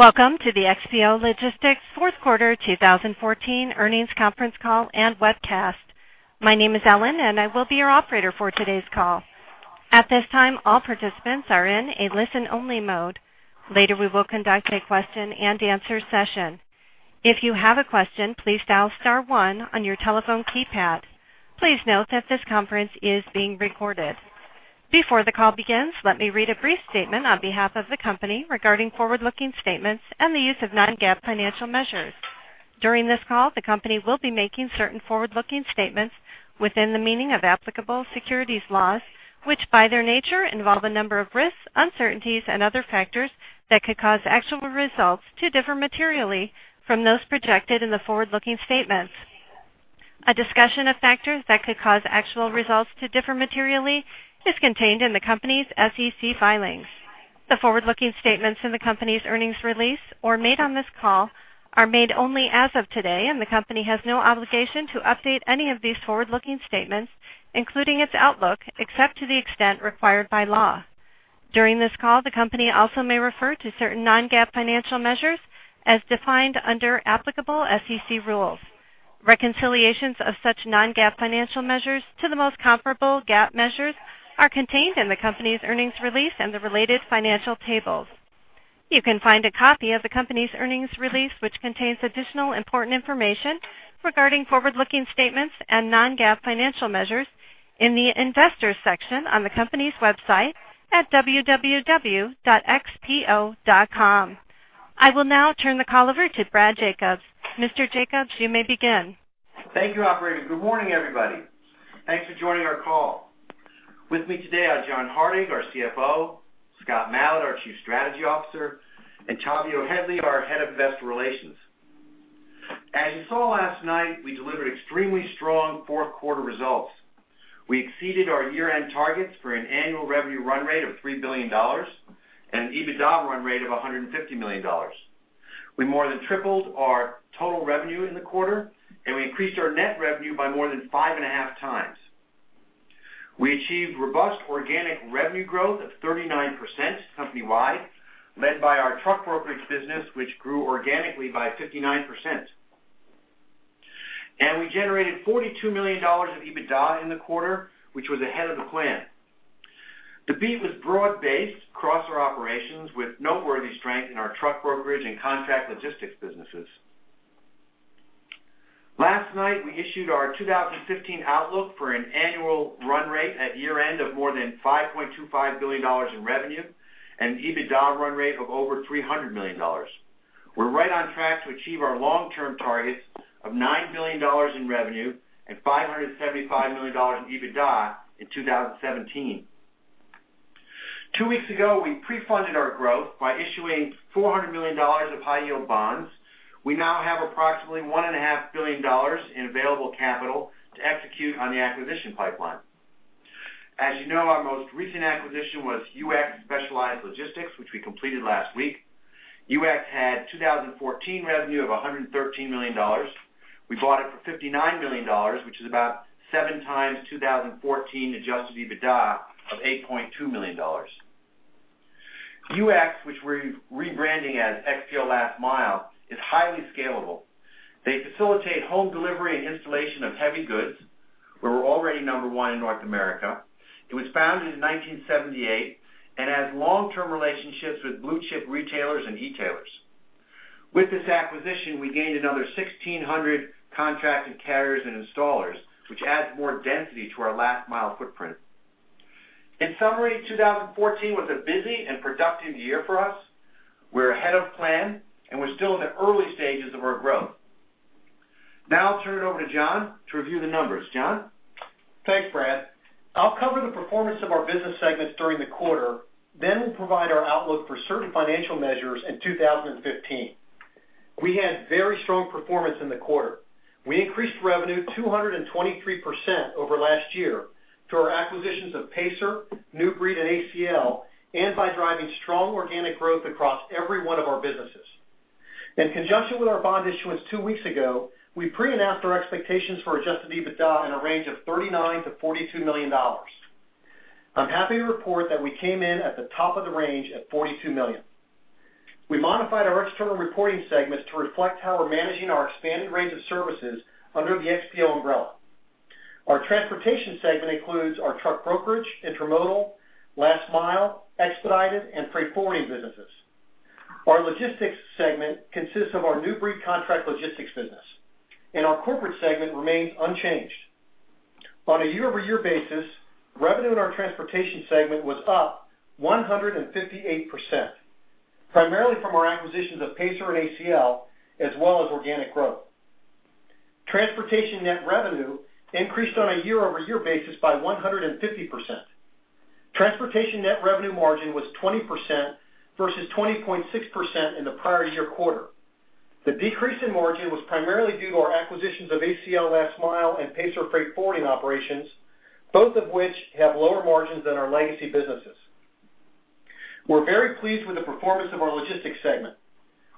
Welcome to the XPO Logistics fourth quarter 2014 earnings conference call and webcast. My name is Ellen, and I will be your operator for today's call. At this time, all participants are in a listen-only mode. Later, we will conduct a question-and-answer session. If you have a question, please dial star one on your telephone keypad. Please note that this conference is being recorded. Before the call begins, let me read a brief statement on behalf of the company regarding forward-looking statements and the use of Non-GAAP financial measures. During this call, the company will be making certain forward-looking statements within the meaning of applicable securities laws, which, by their nature, involve a number of risks, uncertainties, and other factors that could cause actual results to differ materially from those projected in the forward-looking statements. A discussion of factors that could cause actual results to differ materially is contained in the company's SEC filings. The forward-looking statements in the company's earnings release or made on this call are made only as of today, and the company has no obligation to update any of these forward-looking statements, including its outlook, except to the extent required by law. During this call, the company also may refer to certain Non-GAAP financial measures as defined under applicable SEC rules. Reconciliations of such Non-GAAP financial measures to the most comparable GAAP measures are contained in the company's earnings release and the related financial tables. You can find a copy of the company's earnings release, which contains additional important information regarding forward-looking statements and Non-GAAP financial measures, in the Investors section on the company's website at www.xpo.com. I will now turn the call over to Brad Jacobs. Mr. Jacobs, you may begin. Thank you, operator. Good morning, everybody. Thanks for joining our call. With me today are John Hardig, our CFO, Scott Malat, our Chief Strategy Officer, and Tavio Headley, our Head of Investor Relations. As you saw last night, we delivered extremely strong fourth quarter results. We exceeded our year-end targets for an annual revenue run rate of $3 billion and an EBITDA run rate of $150 million. We more than tripled our total revenue in the quarter, and we increased our net revenue by more than five and a half times. We achieved robust organic revenue growth of 39% company-wide, led by our Truck Brokerage business, which grew organically by 59%. And we generated $42 million of EBITDA in the quarter, which was ahead of the plan. The beat was broad-based across our operations, with noteworthy strength in our Truck Brokerage and Contract Logistics businesses. Last night, we issued our 2015 outlook for an annual run rate at year-end of more than $5.25 billion in revenue and an EBITDA run rate of over $300 million. We're right on track to achieve our long-term targets of $9 billion in revenue and $575 million in EBITDA in 2017. Two weeks ago, we pre-funded our growth by issuing $400 million of high-yield bonds. We now have approximately $1.5 billion in available capital to execute on the acquisition pipeline. As you know, our most recent acquisition was UX Specialized Logistics, which we completed last week. UX had 2014 revenue of $113 million. We bought it for $59 million, which is about 7x the 2014 adjusted EBITDA of $8.2 million. UX, which we're rebranding as XPO Last Mile, is highly scalable. They facilitate home delivery and installation of heavy goods, where we're already number one in North America. It was founded in 1978 and has long-term relationships with blue-chip retailers and e-tailers. With this acquisition, we gained another 1,600 contracted carriers and installers, which adds more density to our Last Mile footprint. In summary, 2014 was a busy and productive year for us. We're ahead of plan, and we're still in the early stages of our growth. Now I'll turn it over to John to review the numbers. John? Thanks, Brad. I'll cover the performance of our business segments during the quarter, then provide our outlook for certain financial measures in 2015. We had very strong performance in the quarter. We increased revenue 223% over last year through our acquisitions of Pacer, New Breed, and 3PD, and by driving strong organic growth across every one of our businesses. In conjunction with our bond issuance two weeks ago, we pre-announced our expectations for adjusted EBITDA in a range of $39 million-$42 million. I'm happy to report that we came in at the top of the range at $42 million. We modified our external reporting segments to reflect how we're managing our expanded range of services under the XPO umbrella. Our Transportation segment includes our Truck Brokerage, Intermodal, Last Mile, expedited, Freight Forwarding businesses. Our Logistics segment consists of our New Breed Contract Logistics business, and our corporate segment remains unchanged. On a year-over-year basis, revenue in our Transportation segment was up 158%, primarily from our acquisitions of Pacer and 3PD, as well as organic growth. Transportation net revenue increased on a year-over-year basis by 150%. Transportation net revenue margin was 20% versus 20.6% in the prior year quarter. The decrease in margin was primarily due to our acquisitions of 3PD Last Mile and Freight Forwarding operations, both of which have lower margins than our legacy businesses. We're very pleased with the performance of our Logistics segment.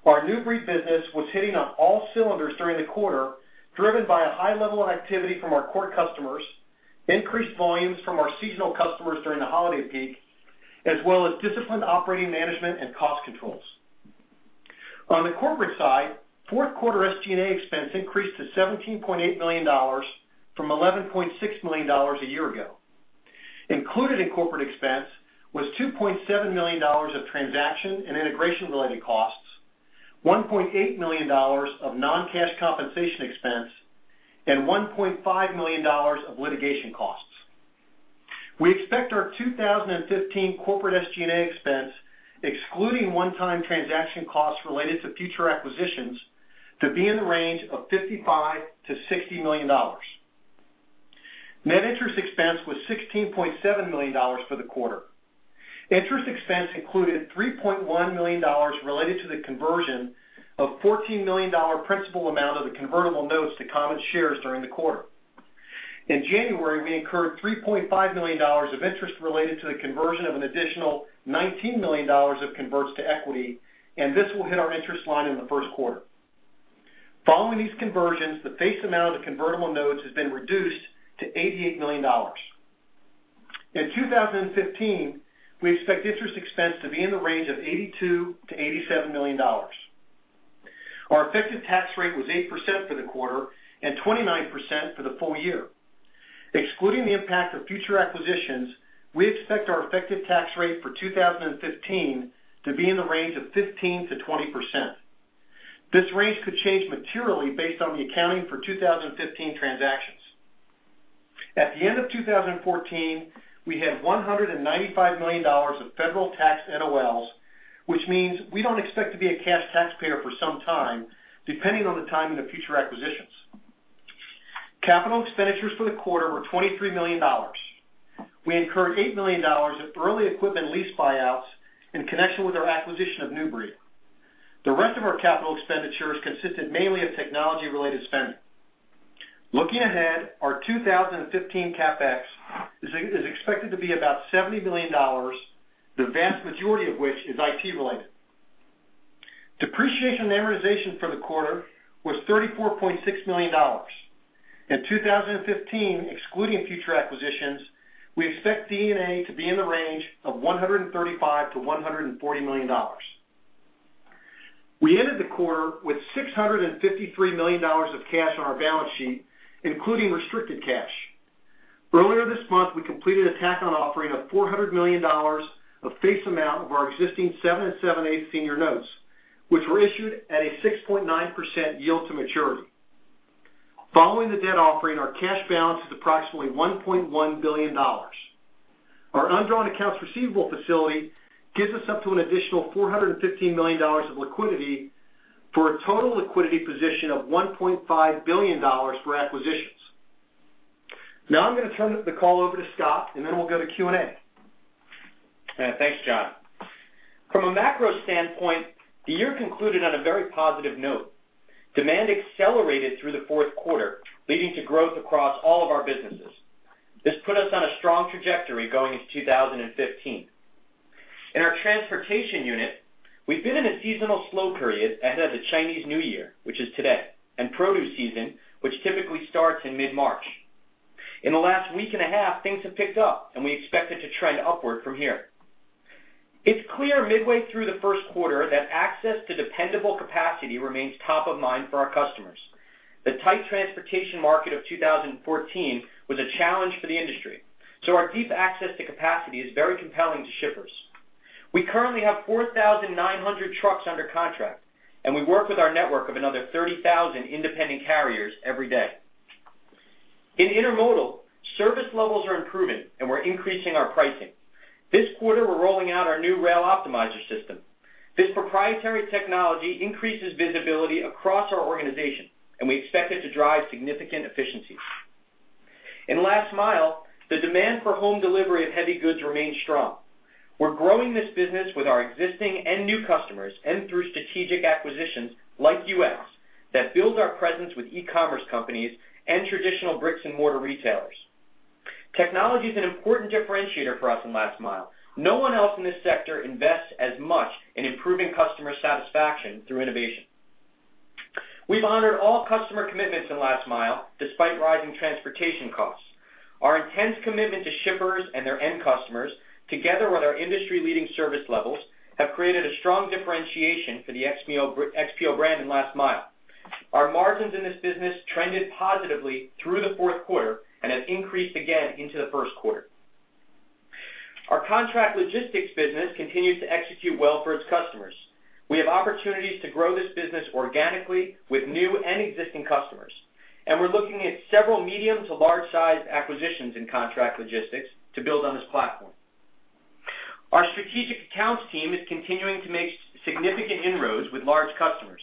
Our New Breed business was hitting on all cylinders during the quarter, driven by a high level of activity from our core customers.... increased volumes from our seasonal customers during the holiday peak, as well as disciplined operating management and cost controls. On the corporate side, fourth quarter SG&A expense increased to $17.8 million from $11.6 million a year ago. Included in corporate expense was $2.7 million of transaction and integration-related costs, $1.8 million of non-cash compensation expense, and $1.5 million of litigation costs. We expect our 2015 corporate SG&A expense, excluding one-time transaction costs related to future acquisitions, to be in the range of $55 million-$60 million. Net interest expense was $16.7 million for the quarter. Interest expense included $3.1 million related to the conversion of $14 million principal amount of the convertible notes to common shares during the quarter. In January, we incurred $3.5 million of interest related to the conversion of an additional $19 million of converts to equity, and this will hit our interest line in the first quarter. Following these conversions, the face amount of the convertible notes has been reduced to $88 million. In 2015, we expect interest expense to be in the range of $82 million-$87 million. Our effective tax rate was 8% for the quarter and 29% for the full year. Excluding the impact of future acquisitions, we expect our effective tax rate for 2015 to be in the range of 15%-20%. This range could change materially based on the accounting for 2015 transactions. At the end of 2014, we had $195 million of federal tax NOLs, which means we don't expect to be a cash taxpayer for some time, depending on the timing of future acquisitions. Capital expenditures for the quarter were $23 million. We incurred $8 million of early equipment lease buyouts in connection with our acquisition of New Breed. The rest of our capital expenditures consisted mainly of technology-related spending. Looking ahead, our 2015 CapEx is expected to be about $70 million, the vast majority of which is IT-related. Depreciation and amortization for the quarter was $34.6 million. In 2015, excluding future acquisitions, we expect D&A to be in the range of $135 million-$140 million. We ended the quarter with $653 million of cash on our balance sheet, including restricted cash. Earlier this month, we completed a tack-on offering of $400 million of face amount of our existing 7 7/8 senior notes, which were issued at a 6.9% yield to maturity. Following the debt offering, our cash balance is approximately $1.1 billion. Our undrawn accounts receivable facility gives us up to an additional $415 million of liquidity, for a total liquidity position of $1.5 billion for acquisitions. Now I'm going to turn the call over to Scott, and then we'll go to Q&A. Thanks, John. From a macro standpoint, the year concluded on a very positive note. Demand accelerated through the fourth quarter, leading to growth across all of our businesses. This put us on a strong trajectory going into 2015. In our Transportation unit, we've been in a seasonal slow period ahead of the Chinese New Year, which is today, and produce season, which typically starts in mid-March. In the last week and a half, things have picked up, and we expect it to trend upward from here. It's clear midway through the first quarter that access to dependable capacity remains top of mind for our customers. The tight Transportation market of 2014 was a challenge for the industry, so our deep access to capacity is very compelling to shippers. We currently have 4,900 trucks under contract, and we work with our network of another 30,000 independent carriers every day. In Intermodal, service levels are improving, and we're increasing our pricing. This quarter, we're rolling out our new Rail Optimizer system. This proprietary technology increases visibility across our organization, and we expect it to drive significant efficiencies. In Last Mile, the demand for home delivery of heavy goods remains strong. We're growing this business with our existing and new customers, and through strategic acquisitions like UX, that builds our presence with e-commerce companies and traditional bricks-and-mortar retailers. Technology is an important differentiator for us in Last Mile. No one else in this sector invests as much in improving customer satisfaction through innovation. We've honored all customer commitments in Last Mile, despite rising Transportation costs. Our intense commitment to shippers and their end customers, together with our industry-leading service levels, have created a strong differentiation for the XPO brand in Last Mile. Our margins in this business trended positively through the fourth quarter and have increased again into the first quarter. Our Contract Logistics business continues to execute well for its customers. We have opportunities to grow this business organically with new and existing customers, and we're looking at several medium to large-sized acquisitions in Contract Logistics to build on this platform. Our strategic accounts team is continuing to make significant inroads with large customers.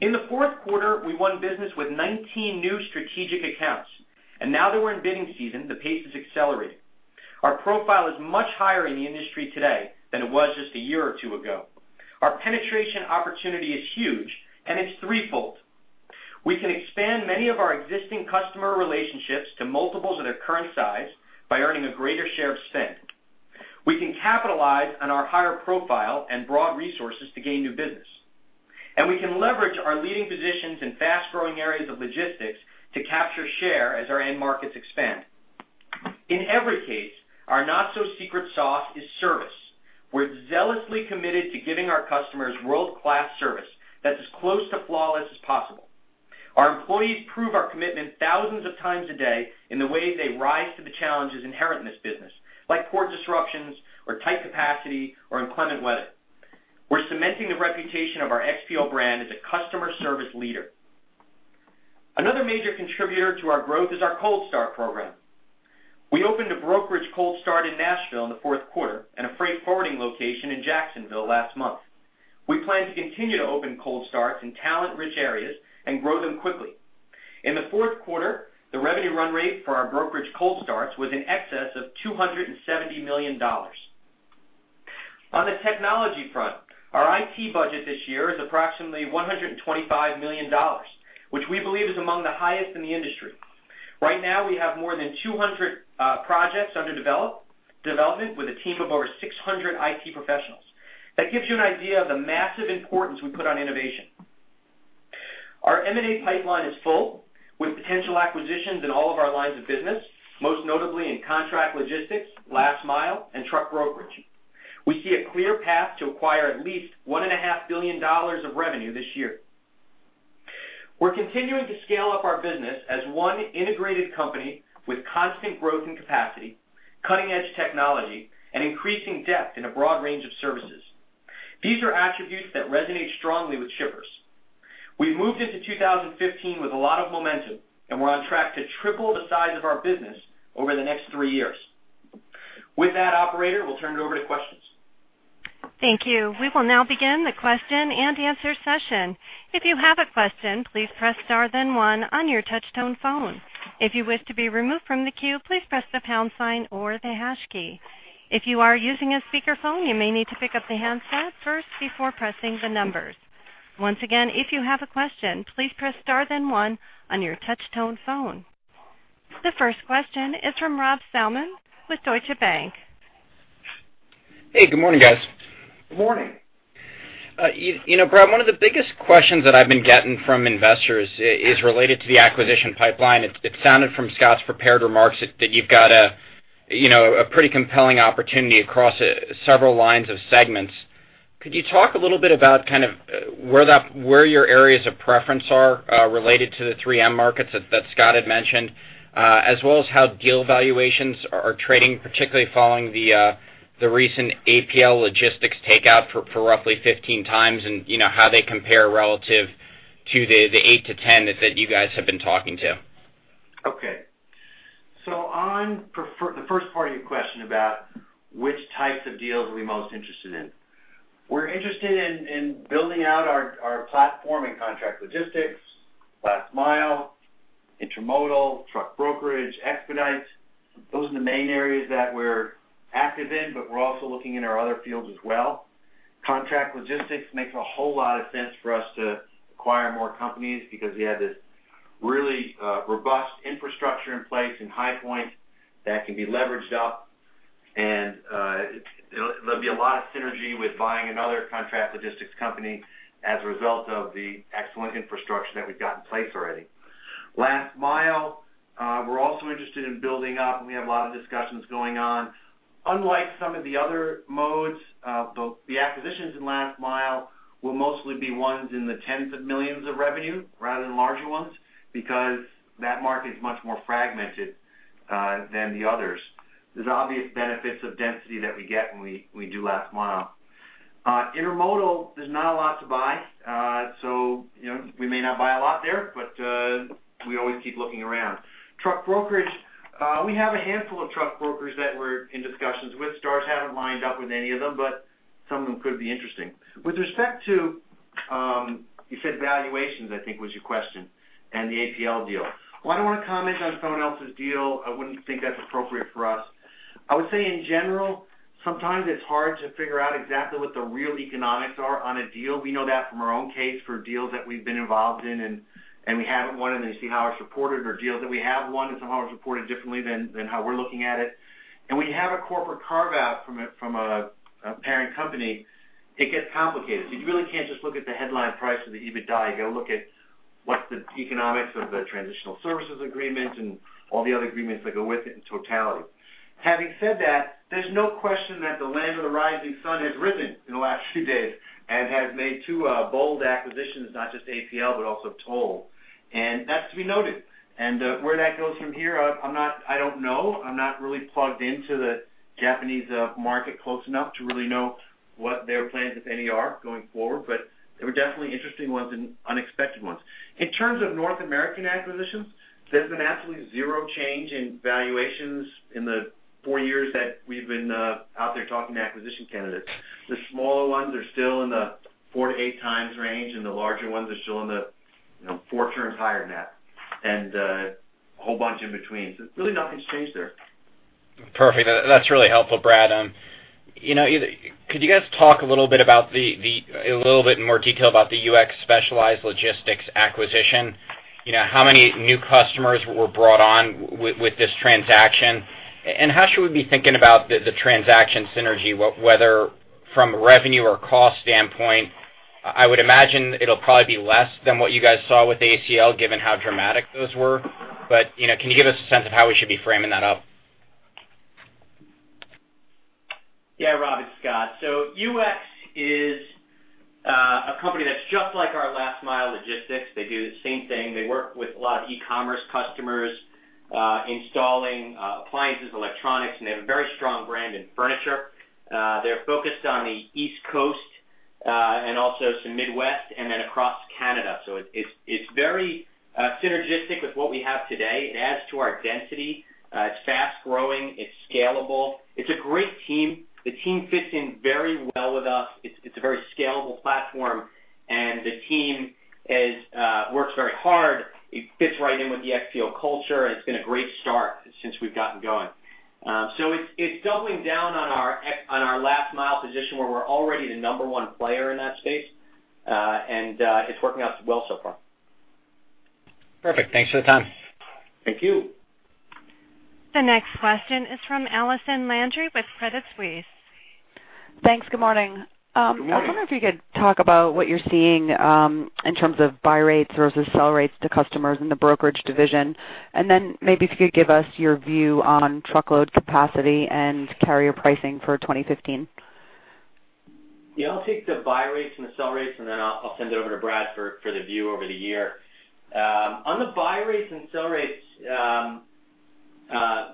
In the fourth quarter, we won business with 19 new strategic accounts, and now that we're in bidding season, the pace is accelerating. Our profile is much higher in the industry today than it was just a year or two ago. Our penetration opportunity is huge, and it's threefold. We can expand many of our existing customer relationships to multiples of their current size by earning a greater share of spend. ...We can capitalize on our higher profile and broad resources to gain new business, and we can leverage our leading positions in fast-growing areas of Logistics to capture share as our end markets expand. In every case, our not-so-secret sauce is service. We're zealously committed to giving our customers world-class service that's as close to flawless as possible. Our employees prove our commitment thousands of times a day in the way they rise to the challenges inherent in this business, like port disruptions or tight capacity or inclement weather. We're cementing the reputation of our XPO brand as a customer service leader. Another major contributor to our growth is our Cold Start program. We opened a brokerage Cold Start in Nashville in the fourth quarter and Freight Forwarding location in Jacksonville last month. We plan to continue to open Cold Starts in talent-rich areas and grow them quickly. In the fourth quarter, the revenue run rate for our brokerage Cold Starts was in excess of $270 million. On the technology front, our IT budget this year is approximately $125 million, which we believe is among the highest in the industry. Right now, we have more than 200 projects under development with a team of over 600 IT professionals. That gives you an idea of the massive importance we put on innovation. Our M&A pipeline is full, with potential acquisitions in all of our lines of business, most notably in Contract Logistics, Last Mile, and Truck Brokerage. We see a clear path to acquire at least $1.5 billion of revenue this year. We're continuing to scale up our business as one integrated company with constant growth and capacity, cutting-edge technology, and increasing depth in a broad range of services. These are attributes that resonate strongly with shippers. We've moved into 2015 with a lot of momentum, and we're on track to triple the size of our business over the next three years. With that, operator, we'll turn it over to questions. Thank you. We will now begin the question and answer session. If you have a question, please press Star, then one on your touchtone phone. If you wish to be removed from the queue, please press the pound sign or the hash key. If you are using a speakerphone, you may need to pick up the handset first before pressing the numbers. Once again, if you have a question, please press star, then one on your touchtone phone. The first question is from Rob Salmon with Deutsche Bank. Hey, good morning, guys. Good morning. You know, Brad, one of the biggest questions that I've been getting from investors is related to the acquisition pipeline. It sounded from Scott's prepared remarks that you've got a, you know, a pretty compelling opportunity across several lines of segments. Could you talk a little bit about kind of where your areas of preference are related to the three end markets that Scott had mentioned as well as how deal valuations are trading, particularly following the recent APL Logistics takeout for roughly 15x, and you know, how they compare relative to the 8x-10x that you guys have been talking to? Okay. So on the first part of your question about which types of deals are we most interested in. We're interested in building out our platform in Contract Logistics, Last Mile, Intermodal, Truck Brokerage, expedite. Those are the main areas that we're active in, but we're also looking in our other fields as well. Contract Logistics makes a whole lot of sense for us to acquire more companies because we have this really robust infrastructure in place in High Point that can be leveraged up, and there'll be a lot of synergy with buying another Contract Logistics company as a result of the excellent infrastructure that we've got in place already. Last mile, we're also interested in building up, and we have a lot of discussions going on. Unlike some of the other modes, but the acquisitions in Last Mile will mostly be ones in the tens of millions of revenue rather than larger ones, because that market is much more fragmented than the others. There's obvious benefits of density that we get when we do Last Mile. Intermodal, there's not a lot to buy, so, you know, we may not buy a lot there, but we always keep looking around. Truck Brokerage, we have a handful of truck brokers that we're in discussions with. Stars haven't lined up with any of them, but some of them could be interesting. With respect to, you said valuations, I think, was your question, and the APL deal. Well, I don't want to comment on someone else's deal. I wouldn't think that's appropriate for us. I would say in general, sometimes it's hard to figure out exactly what the real economics are on a deal. We know that from our own case, for deals that we've been involved in, and we haven't won, and then you see how it's reported, or deals that we have won, and somehow it's reported differently than how we're looking at it. And when you have a corporate carve-out from a parent company, it gets complicated. So you really can't just look at the headline price of the EBITDA. You got to look at what the economics of the transitional services agreement and all the other agreements that go with it in totality. Having said that, there's no question that the Land of the Rising Sun has risen in the last few days and has made two bold acquisitions, not just APL, but also Toll. That's to be noted. Where that goes from here, I, I'm not—I don't know. I'm not really plugged into the Japanese market close enough to really know what their plans, if any, are going forward, but they were definitely interesting ones and unexpected ones. In terms of North American acquisitions, there's been absolutely zero change in valuations in the four years that we've been out there talking to acquisition candidates. The smaller ones are still in the 4-8 times range, and the larger ones are still in the, you know, 4 turns higher than that, and a whole bunch in between. So really nothing's changed there. Perfect. That's really helpful, Brad. You know, could you guys talk a little bit about a little bit more detail about the UX Specialized Logistics acquisition? You know, how many new customers were brought on with this transaction? And how should we be thinking about the transaction synergy, whether from a revenue or cost standpoint? I would imagine it'll probably be less than what you guys saw with 3PD, given how dramatic those were. But, you know, can you give us a sense of how we should be framing that up? Yeah, Rob, it's Scott. So UX is a company that's just like our Last Mile Logistics. They do the same thing. They work with a lot of e-commerce customers, installing appliances, electronics, and they have a very strong brand in furniture. They're focused on the East Coast, and also some Midwest, and then across Canada. So it's very synergistic with what we have today. It adds to our density. It's fast-growing, it's scalable, it's a great team. The team fits in very well with us. It's a very scalable platform, and the team works very hard. It fits right in with the XPO culture, and it's been a great start since we've gotten going. It's doubling down on our XPO Last Mile position, where we're already the number one player in that space, and it's working out well so far. Perfect. Thanks for the time. Thank you. The next question is from Allison Landry with Credit Suisse. Thanks. Good morning. Good morning. I wonder if you could talk about what you're seeing, in terms of buy rates versus sell rates to customers in the brokerage division, and then maybe if you could give us your view on truckload capacity and carrier pricing for 2015. Yeah, I'll take the buy rates and the sell rates, and then I'll, I'll send it over to Brad for, for the view over the year. On the buy rates and sell rates,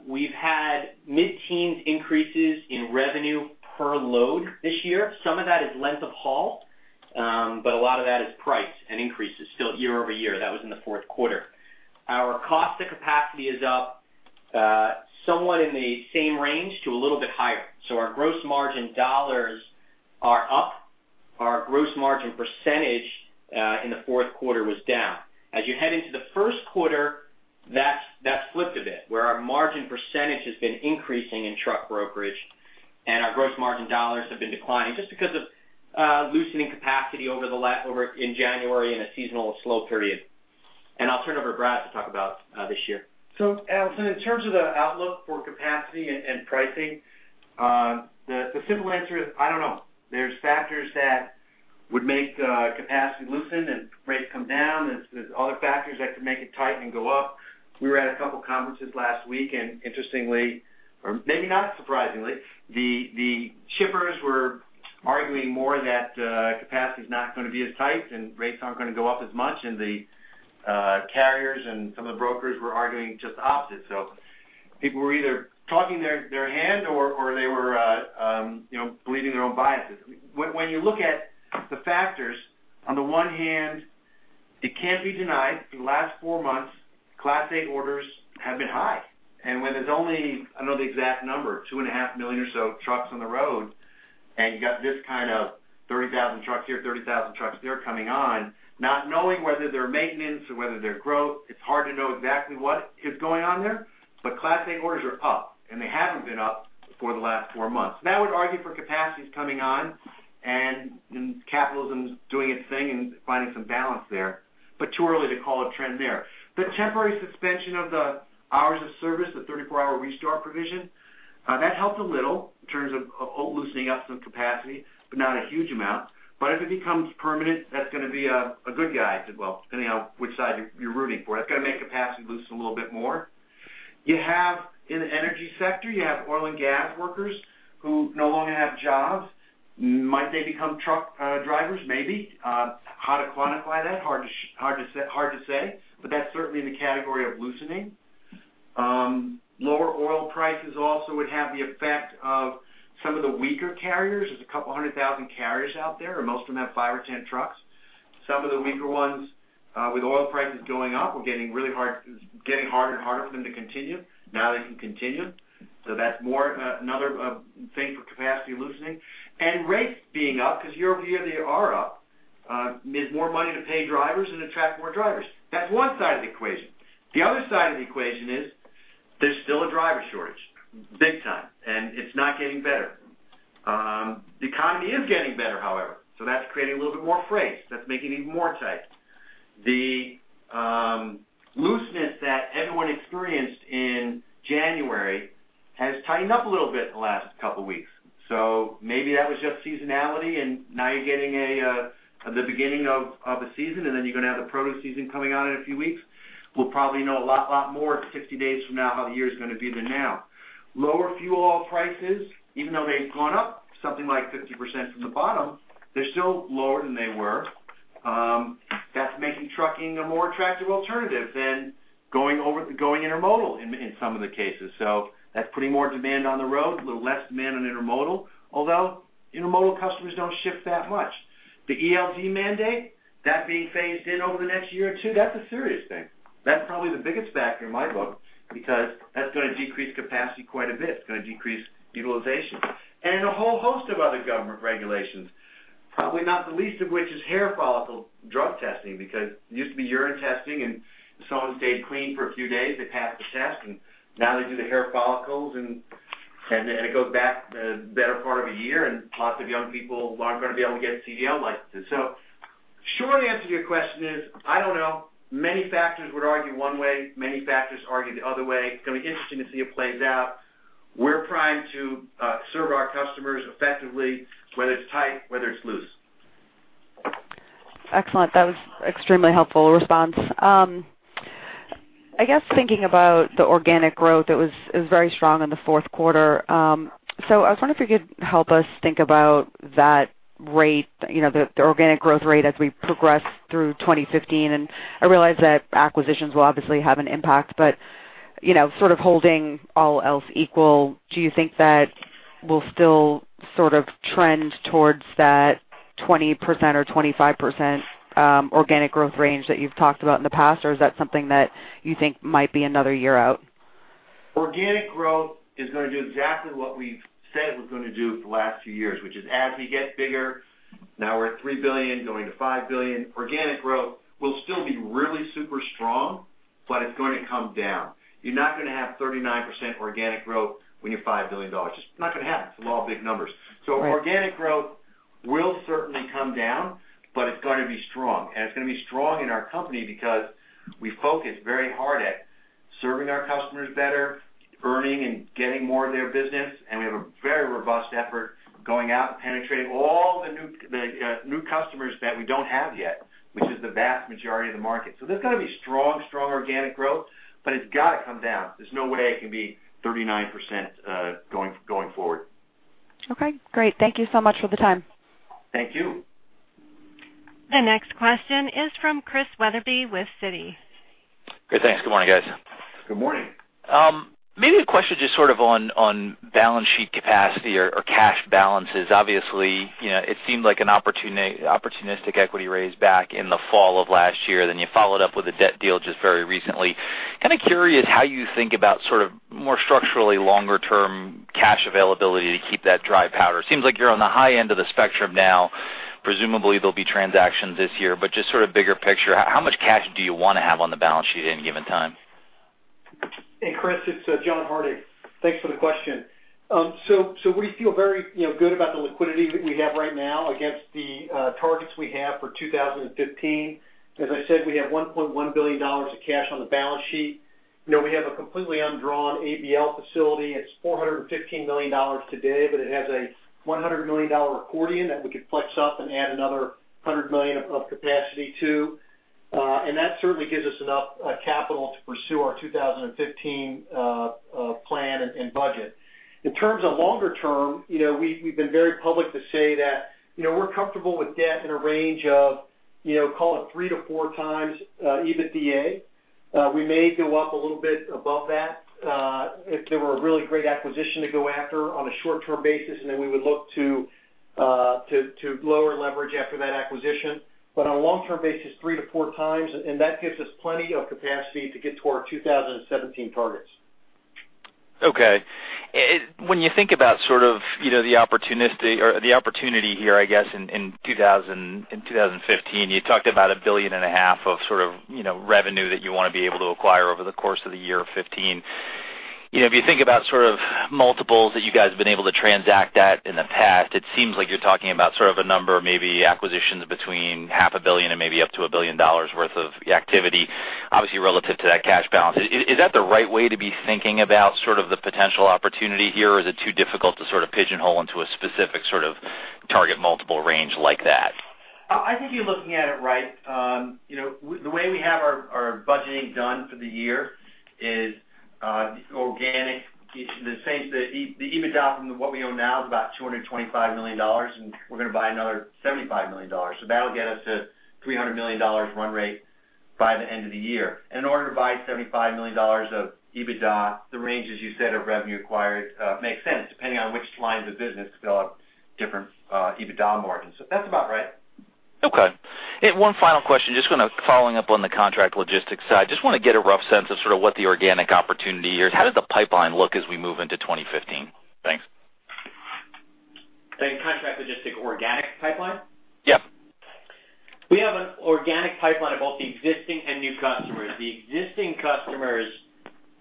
we've had mid-teens increases in revenue per load this year. Some of that is length of haul, but a lot of that is price and increases, still year over year. That was in the fourth quarter. Our cost to capacity is up, somewhat in the same range to a little bit higher. So our gross margin dollars are up. Our gross margin percentage, in the fourth quarter was down. As you head into the first quarter, that's flipped a bit, where our margin percentage has been increasing in Truck Brokerage, and our gross margin dollars have been declining just because of loosening capacity over in January in a seasonal slow period. I'll turn it over to Brad to talk about this year. So Allison, in terms of the outlook for capacity and pricing, the simple answer is, I don't know. There are factors that would make capacity loosen and rates come down. There are other factors that could make it tighten and go up. We were at a couple conferences last week, and interestingly, or maybe not surprisingly, the shippers were arguing more that capacity is not gonna be as tight and rates aren't gonna go up as much, and the carriers and some of the brokers were arguing just the opposite. So people were either talking their hand or they were, you know, believing their own biases. When you look at the factors, on the one hand, it can't be denied, for the last four months, Class 8 orders have been high. When there's only, I don't know the exact number, 2.5 million or so trucks on the road, and you got this kind of 30,000 trucks here, 30,000 trucks there coming on, not knowing whether they're maintenance or whether they're growth, it's hard to know exactly what is going on there. But Class 8 orders are up, and they haven't been up for the last four months. That would argue for capacity is coming on, and capitalism's doing its thing and finding some balance there, but too early to call a trend there. The temporary suspension of the hours of service, the 34-hour restart provision, that helped a little in terms of, of loosening up some capacity, but not a huge amount. But if it becomes permanent, that's gonna be a, a good guy. Well, depending on which side you're rooting for, that's gonna make capacity loosen a little bit more. You have, in the energy sector, oil and gas workers who no longer have jobs. Might they become truck drivers? Maybe. How to quantify that? Hard to say, but that's certainly in the category of loosening. Lower oil prices also would have the effect of some of the weaker carriers. There's 200,000 carriers out there, and most of them have five or 10 trucks. Some of the weaker ones, with oil prices going up, were getting really hard. It's getting harder and harder for them to continue. Now they can continue, so that's more another thing for capacity loosening. Rates being up, 'cause year over year, they are up, means more money to pay drivers and attract more drivers. That's one side of the equation. The other side of the equation is there's still a driver shortage, big time, and it's not getting better. The economy is getting better, however, so that's creating a little bit more freight. That's making it even more tight. The looseness that everyone experienced in January has tightened up a little bit in the last couple weeks. So maybe that was just seasonality, and now you're getting the beginning of a season, and then you're gonna have the produce season coming out in a few weeks. We'll probably know a lot, lot more 60 days from now how the year is gonna do than now. Lower fuel oil prices, even though they've gone up something like 50% from the bottom, they're still lower than they were. That's making trucking a more attractive alternative than going over- going Intermodal in, in some of the cases. So that's putting more demand on the road, a little less demand on Intermodal, although Intermodal customers don't ship that much. The ELD mandate, that being phased in over the next year or two, that's a serious thing. That's probably the biggest factor in my book, because that's gonna decrease capacity quite a bit. It's gonna decrease utilization. And a whole host of other government regulations, probably not the least of which is hair follicle drug testing, because it used to be urine testing, and if someone stayed clean for a few days, they passed the test, and now they do the hair follicles, and-... And it goes back the better part of a year, and lots of young people aren't gonna be able to get CDL licenses. So, short answer to your question is, I don't know. Many factors would argue one way, many factors argue the other way. It's gonna be interesting to see it plays out. We're primed to serve our customers effectively, whether it's tight, whether it's loose. Excellent. That was extremely helpful response. I guess thinking about the organic growth, it was very strong in the fourth quarter. So I was wondering if you could help us think about that rate, you know, the organic growth rate as we progress through 2015, and I realize that acquisitions will obviously have an impact, but, you know, sort of holding all else equal, do you think that we'll still sort of trend towards that 20% or 25%, organic growth range that you've talked about in the past? Or is that something that you think might be another year out? Organic growth is gonna do exactly what we've said it was gonna do for the last few years, which is as we get bigger, now we're at $3 billion, going to $5 billion. Organic growth will still be really super strong, but it's going to come down. You're not gonna have 39% organic growth when you're $5 billion. It's not gonna happen. It's a lot of big numbers. Right. So organic growth will certainly come down, but it's gonna be strong. And it's gonna be strong in our company because we focus very hard at serving our customers better, earning and getting more of their business, and we have a very robust effort going out and penetrating all the new customers that we don't have yet, which is the vast majority of the market. So there's gonna be strong, strong organic growth, but it's gotta come down. There's no way it can be 39%, going forward. Okay, great. Thank you so much for the time. Thank you. The next question is from Chris Wetherbee with Citi. Great, thanks. Good morning, guys. Good morning. Maybe a question just sort of on balance sheet capacity or cash balances. Obviously, you know, it seemed like an opportunistic equity raise back in the fall of last year, then you followed up with a debt deal just very recently. Kinda curious how you think about sort of more structurally longer-term cash availability to keep that dry powder. Seems like you're on the high end of the spectrum now. Presumably, there'll be transactions this year, but just sort of bigger picture, how much cash do you wanna have on the balance sheet at any given time? Hey, Chris, it's John Hardig. Thanks for the question. So we feel very, you know, good about the liquidity that we have right now against the targets we have for 2015. As I said, we have $1.1 billion of cash on the balance sheet. You know, we have a completely undrawn ABL facility. It's $415 million today, but it has a $100 million accordion that we could flex up and add another $100 million of capacity to. And that certainly gives us enough capital to pursue our 2015 plan and budget. In terms of longer term, you know, we've been very public to say that, you know, we're comfortable with debt in a range of, you know, call it 3-4 times EBITDA. We may go up a little bit above that, if there were a really great acquisition to go after on a short-term basis, and then we would look to lower leverage after that acquisition. But on a long-term basis, 3-4 times, and that gives us plenty of capacity to get to our 2017 targets. Okay. When you think about sort of, you know, the opportunity here, I guess, in 2015, you talked about $1.5 billion of sort of, you know, revenue that you wanna be able to acquire over the course of the year of 15. You know, if you think about sort of multiples that you guys have been able to transact at in the past, it seems like you're talking about sort of a number, maybe acquisitions between $500 million and $1 billion worth of activity, obviously, relative to that cash balance. Is that the right way to be thinking about sort of the potential opportunity here, or is it too difficult to sort of pigeonhole into a specific sort of target multiple range like that? I think you're looking at it right. You know, the way we have our budgeting done for the year is organic. The same, the EBITDA from what we own now is about $225 million, and we're gonna buy another $75 million. So that'll get us to $300 million run rate by the end of the year. In order to buy $75 million of EBITDA, the ranges you said of revenue acquired makes sense, depending on which lines of business, because they all have different EBITDA margins. So that's about right. Okay. One final question, just want to follow up on the Contract Logistics side. Just want to get a rough sense of sort of what the organic opportunity here. How does the pipeline look as we move into 2015? Thanks. The Contract Logistics organic pipeline? Yeah. We have an organic pipeline of both the existing and new customers. The existing customers,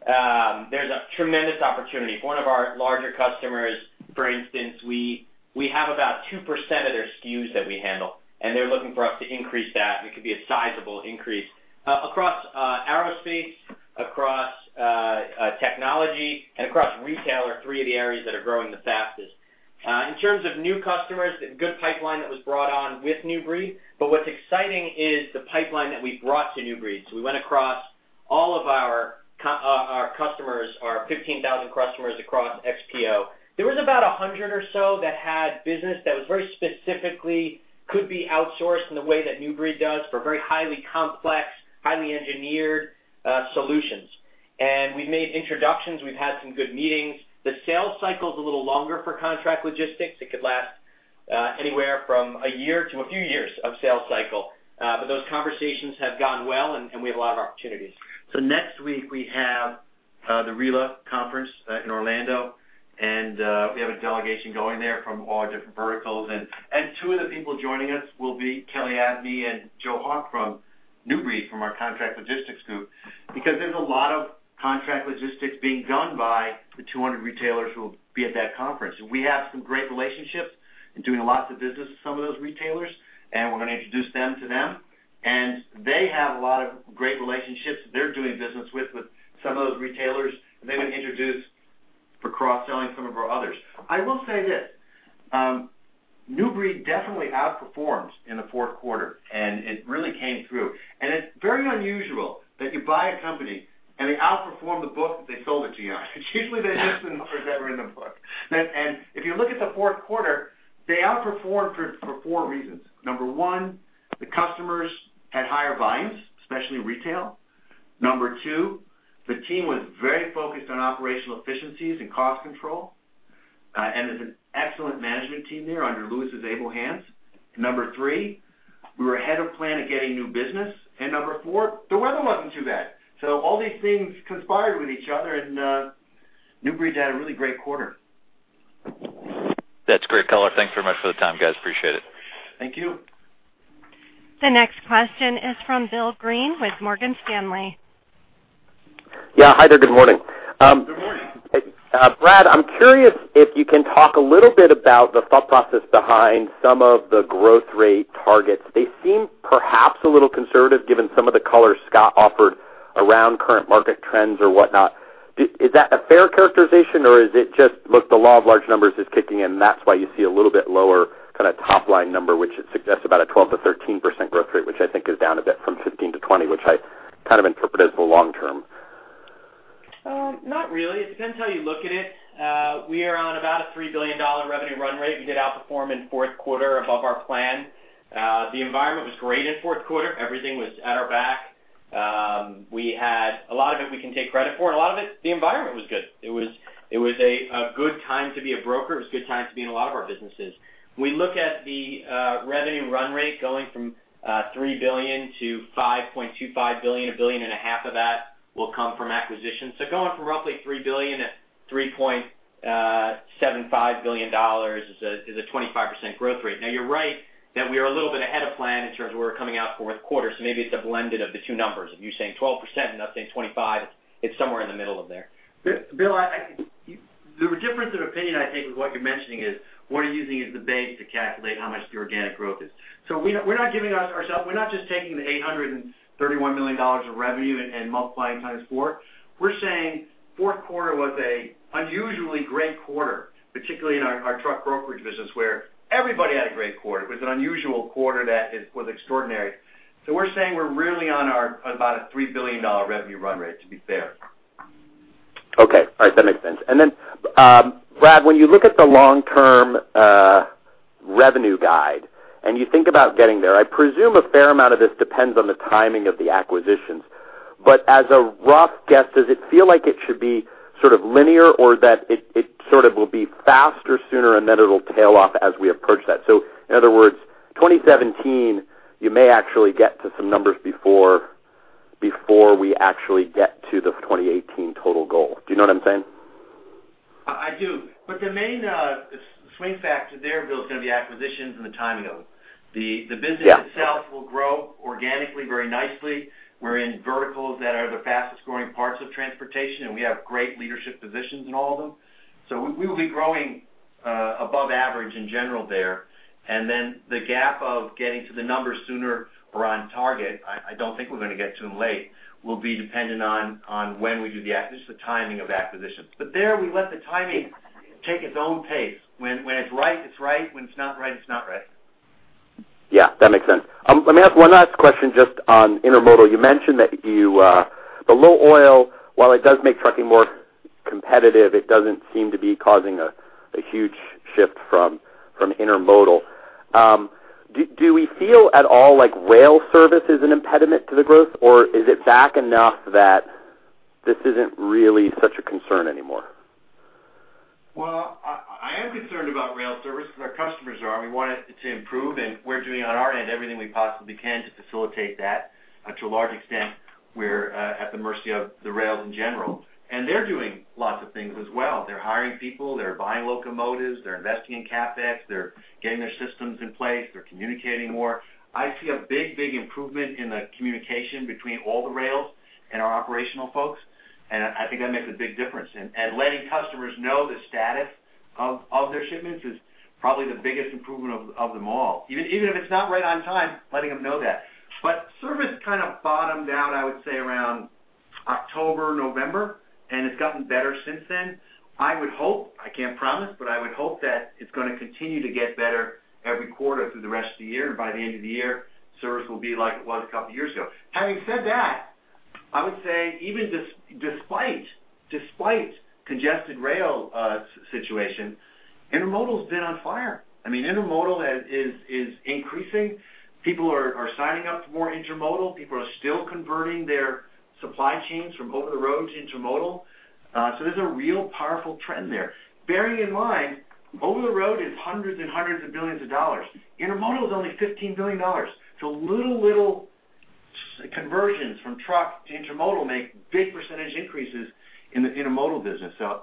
there's a tremendous opportunity. One of our larger customers, for instance, we have about 2% of their SKUs that we handle, and they're looking for us to increase that, and it could be a sizable increase. Across aerospace, across technology, and across retail are three of the areas that are growing the fastest. In terms of new customers, the good pipeline that was brought on with New Breed, but what's exciting is the pipeline that we brought to New Breed. So we went across all of our customers, our 15,000 customers across XPO. There was about 100 or so that had business that was very specifically, could be outsourced in the way that New Breed does, for very highly complex, highly engineered, solutions. We've made introductions. We've had some good meetings. The sales cycle is a little longer for Contract Logistics. It could last anywhere from a year to a few years of sales cycle. But those conversations have gone well, and we have a lot of opportunities. So next week, we have... the RILA conference in Orlando, and we have a delegation going there from all different verticals. And two of the people joining us will be Kelly Abney and Joe Hauck from New Breed, from our Contract Logistics group, because there's a lot of Contract Logistics being done by the 200 retailers who will be at that conference. We have some great relationships and doing lots of business with some of those retailers, and we're going to introduce them to them. And they have a lot of great relationships they're doing business with, with some of those retailers, they would introduce for cross-selling some of our others. I will say this, New Breed definitely outperformed in the fourth quarter, and it really came through. It's very unusual that you buy a company and they outperform the book that they sold it to you on. Usually, they miss the numbers that were in the book. And if you look at the fourth quarter, they outperformed for four reasons. Number one, the customers had higher volumes, especially retail. Number two, the team was very focused on operational efficiencies and cost control, and there's an excellent management team there under Louis' able hands. Number three, we were ahead of plan at getting new business. And number four, the weather wasn't too bad. So all these things conspired with each other, and New Breed had a really great quarter. That's great color. Thanks very much for the time, guys. Appreciate it. Thank you. The next question is from Bill Greene with Morgan Stanley. Yeah. Hi there, good morning. Good morning. Brad, I'm curious if you can talk a little bit about the thought process behind some of the growth rate targets. They seem perhaps a little conservative, given some of the color Scott offered around current market trends or whatnot. Is that a fair characterization, or is it just, look, the law of large numbers is kicking in, and that's why you see a little bit lower kind of top-line number, which it suggests about a 12%-13% growth rate, which I think is down a bit from 15%-20%, which I kind of interpret as the long term? Not really. It depends how you look at it. We are on about a $3 billion revenue run rate. We did outperform in fourth quarter above our plan. The environment was great in fourth quarter. Everything was at our back. We had a lot of it we can take credit for, and a lot of it, the environment was good. It was, it was a good time to be a broker. It was a good time to be in a lot of our businesses. We look at the revenue run rate going from three billion to $5.25 billion, $1.5 billion of that will come from acquisitions. So going from roughly $3 billion to $3.75 billion is a 25% growth rate. Now, you're right that we are a little bit ahead of plan in terms of where we're coming out fourth quarter, so maybe it's a blended of the two numbers. If you're saying 12% and us saying 25, it's somewhere in the middle of there. Bill, the difference in opinion, I think, with what you're mentioning is, what you're using as the base to calculate how much the organic growth is. So we're not, we're not giving ourselves—we're not just taking the $831 million of revenue and multiplying ×4. We're saying fourth quarter was an unusually great quarter, particularly in our, our Truck Brokerage business, where everybody had a great quarter. It was an unusual quarter that is, was extraordinary. So we're saying we're really on our, about a $3 billion revenue run rate, to be fair. Okay. All right, that makes sense. And then, Brad, when you look at the long-term, revenue guide and you think about getting there, I presume a fair amount of this depends on the timing of the acquisitions. But as a rough guess, does it feel like it should be sort of linear or that it sort of will be faster sooner, and then it'll tail off as we approach that? So in other words, 2017, you may actually get to some numbers before we actually get to the 2018 total goal. Do you know what I'm saying? I, I do. But the main swing factor there, Bill, is going to be acquisitions and the timing of them. Yeah. The business itself will grow organically, very nicely. We're in verticals that are the fastest-growing parts of transportation, and we have great leadership positions in all of them. So we will be growing above average in general there. And then the gap of getting to the numbers sooner or on target, I don't think we're going to get to them late, will be dependent on when we do the acquisitions, just the timing of acquisitions. But there, we let the timing take its own pace. When it's right, it's right. When it's not right, it's not right. Yeah, that makes sense. Let me ask one last question just on Intermodal. You mentioned that you, the low oil, while it does make trucking more competitive, it doesn't seem to be causing a huge shift from Intermodal. Do we feel at all like rail service is an impediment to the growth, or is it back enough that this isn't really such a concern anymore? Well, I am concerned about rail service because our customers are, and we want it to improve, and we're doing on our end everything we possibly can to facilitate that. To a large extent, we're at the mercy of the rails in general, and they're doing lots of things as well. They're hiring people, they're buying locomotives, they're investing in CapEx, they're getting their systems in place, they're communicating more. I see a big, big improvement in the communication between all the rails and our operational folks, and I think that makes a big difference. And letting customers know the status of their shipments is probably the biggest improvement of them all. Even if it's not right on time, letting them know that. But service kind of bottomed out, I would say, around October, November, and it's gotten better since then. I would hope, I can't promise, but I would hope that it's going to continue to get better every quarter through the rest of the year, and by the end of the year, service will be like it was a couple of years ago. Having said that, I would say even despite congested rail situation, Intermodal's been on fire. I mean, Intermodal is increasing. People are signing up for more Intermodal. People are still converting their supply chains from over-the-road to Intermodal. So there's a real powerful trend there. Bearing in mind, over-the-road is hundreds and hundreds of billions of dollars. Intermodal is only $15 billion, so little conversions from truck to Intermodal make big percentage increases in the Intermodal business. So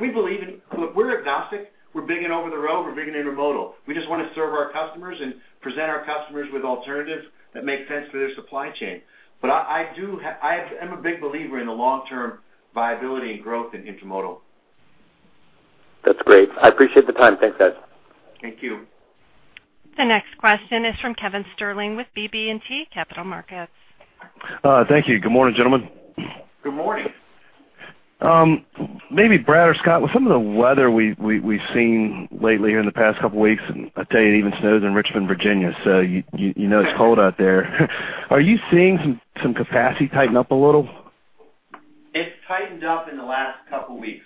we believe in—look, we're agnostic, we're big in over the road, we're big in Intermodal. We just want to serve our customers and present our customers with alternatives that make sense for their supply chain. But I am a big believer in the long-term viability and growth in Intermodal. That's great. I appreciate the time. Thanks, guys. Thank you. The next question is from Kevin Sterling with BB&T Capital Markets. Thank you. Good morning, gentlemen. Good morning. Maybe Brad or Scott, with some of the weather we've seen lately here in the past couple weeks, and I'll tell you, it even snowed in Richmond, Virginia, so you know, it's cold out there. Are you seeing some capacity tighten up a little? It's tightened up in the last couple weeks.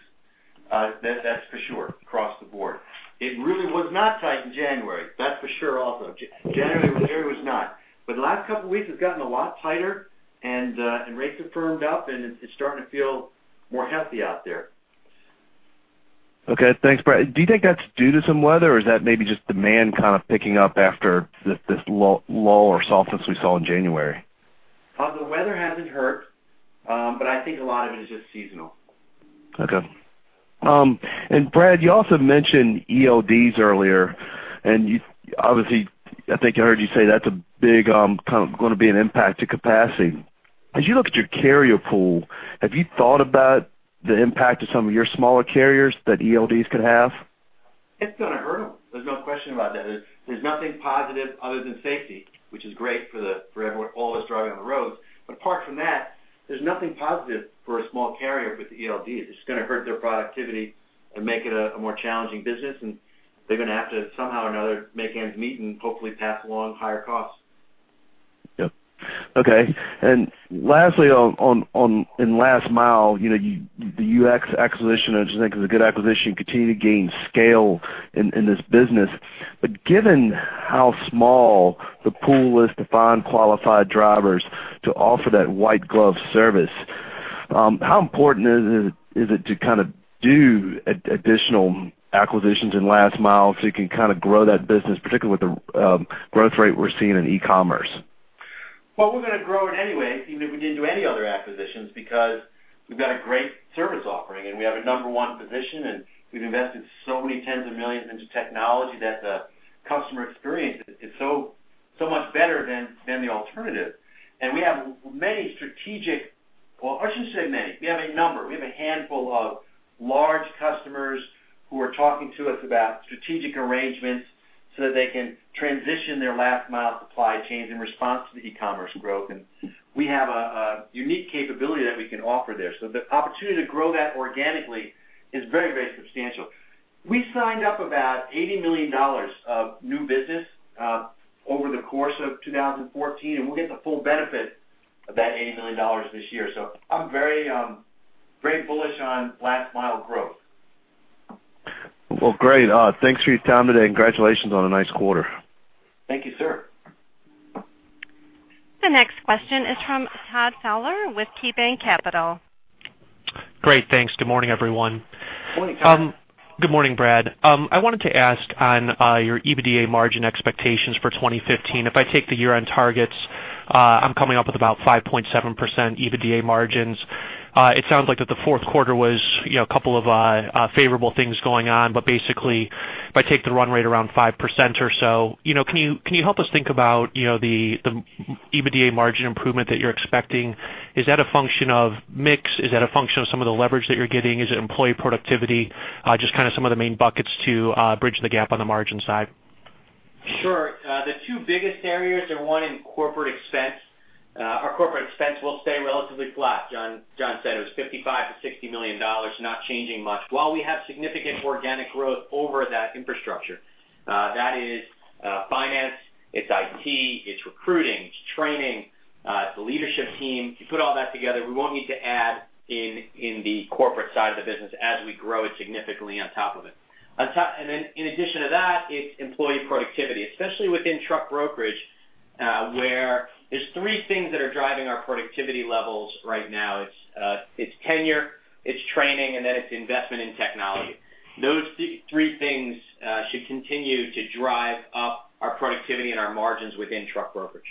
That, that's for sure, across the board. It really was not tight in January, that's for sure also. January was not. But the last couple of weeks, it's gotten a lot tighter, and rates have firmed up, and it's starting to feel more healthy out there. Okay, thanks, Brad. Do you think that's due to some weather, or is that maybe just demand kind of picking up after this, this lull or softness we saw in January? Well, the weather hasn't hurt, but I think a lot of it is just seasonal. Okay. And Brad, you also mentioned ELDs earlier, and you obviously, I think I heard you say that's a big kind of going to be an impact to capacity. As you look at your carrier pool, have you thought about the impact of some of your smaller carriers that ELDs could have? It's gonna hurt them. There's no question about that. There's, there's nothing positive other than safety, which is great for—for everyone, all of us driving on the roads. But apart from that, there's nothing positive for a small carrier with the ELDs. It's gonna hurt their productivity and make it a, a more challenging business, and they're gonna have to somehow or another make ends meet and hopefully pass along higher costs. Yep. Okay. And lastly, in Last Mile, you know, the UX acquisition, I just think is a good acquisition, continue to gain scale in this business. But given how small the pool is to find qualified drivers to offer that white glove service, how important is it to kind of do additional acquisitions in Last Mile so you can kind of grow that business, particularly with the growth rate we're seeing in e-commerce? Well, we're gonna grow it anyway, even if we didn't do any other acquisitions, because we've got a great service offering, and we have a number one position, and we've invested so many tens of millions into technology that the customer experience is so, so much better than, than the alternative. And we have many strategic... Well, I shouldn't say many. We have a number. We have a handful of large customers who are talking to us about strategic arrangements so that they can transition their Last Mile supply chains in response to the e-commerce growth. And we have a, a unique capability that we can offer there. So the opportunity to grow that organically is very, very substantial. We signed up about $80 million of new business over the course of 2014, and we'll get the full benefit of that $80 million this year. So I'm very, very bullish on Last Mile growth. Well, great. Thanks for your time today, and congratulations on a nice quarter. Thank you, sir. The next question is from Todd Fowler with KeyBanc Capital Markets. Great. Thanks. Good morning, everyone. Good morning, Todd. Good morning, Brad. I wanted to ask on your EBITDA margin expectations for 2015. If I take the year-end targets, I'm coming up with about 5.7% EBITDA margins. It sounds like that the fourth quarter was, you know, a couple of favorable things going on, but basically, if I take the run rate around 5% or so, you know, can you, can you help us think about, you know, the, the EBITDA margin improvement that you're expecting? Is that a function of mix? Is that a function of some of the leverage that you're getting? Is it employee productivity? Just kind of some of the main buckets to bridge the gap on the margin side. Sure. The two biggest areas are, one, in corporate expense. Our corporate expense will stay relatively flat. John, John said it was $55 million-$60 million, not changing much. While we have significant organic growth over that infrastructure, that is, finance, it's IT, it's recruiting, it's training, it's the leadership team. If you put all that together, we won't need to add in, in the corporate side of the business as we grow it significantly on top of it. On top of it. And then in addition to that, it's employee productivity, especially within Truck Brokerage, where there's three things that are driving our productivity levels right now. It's, it's tenure, it's training, and then it's investment in technology. Those three things should continue to drive up our productivity and our margins within Truck Brokerage.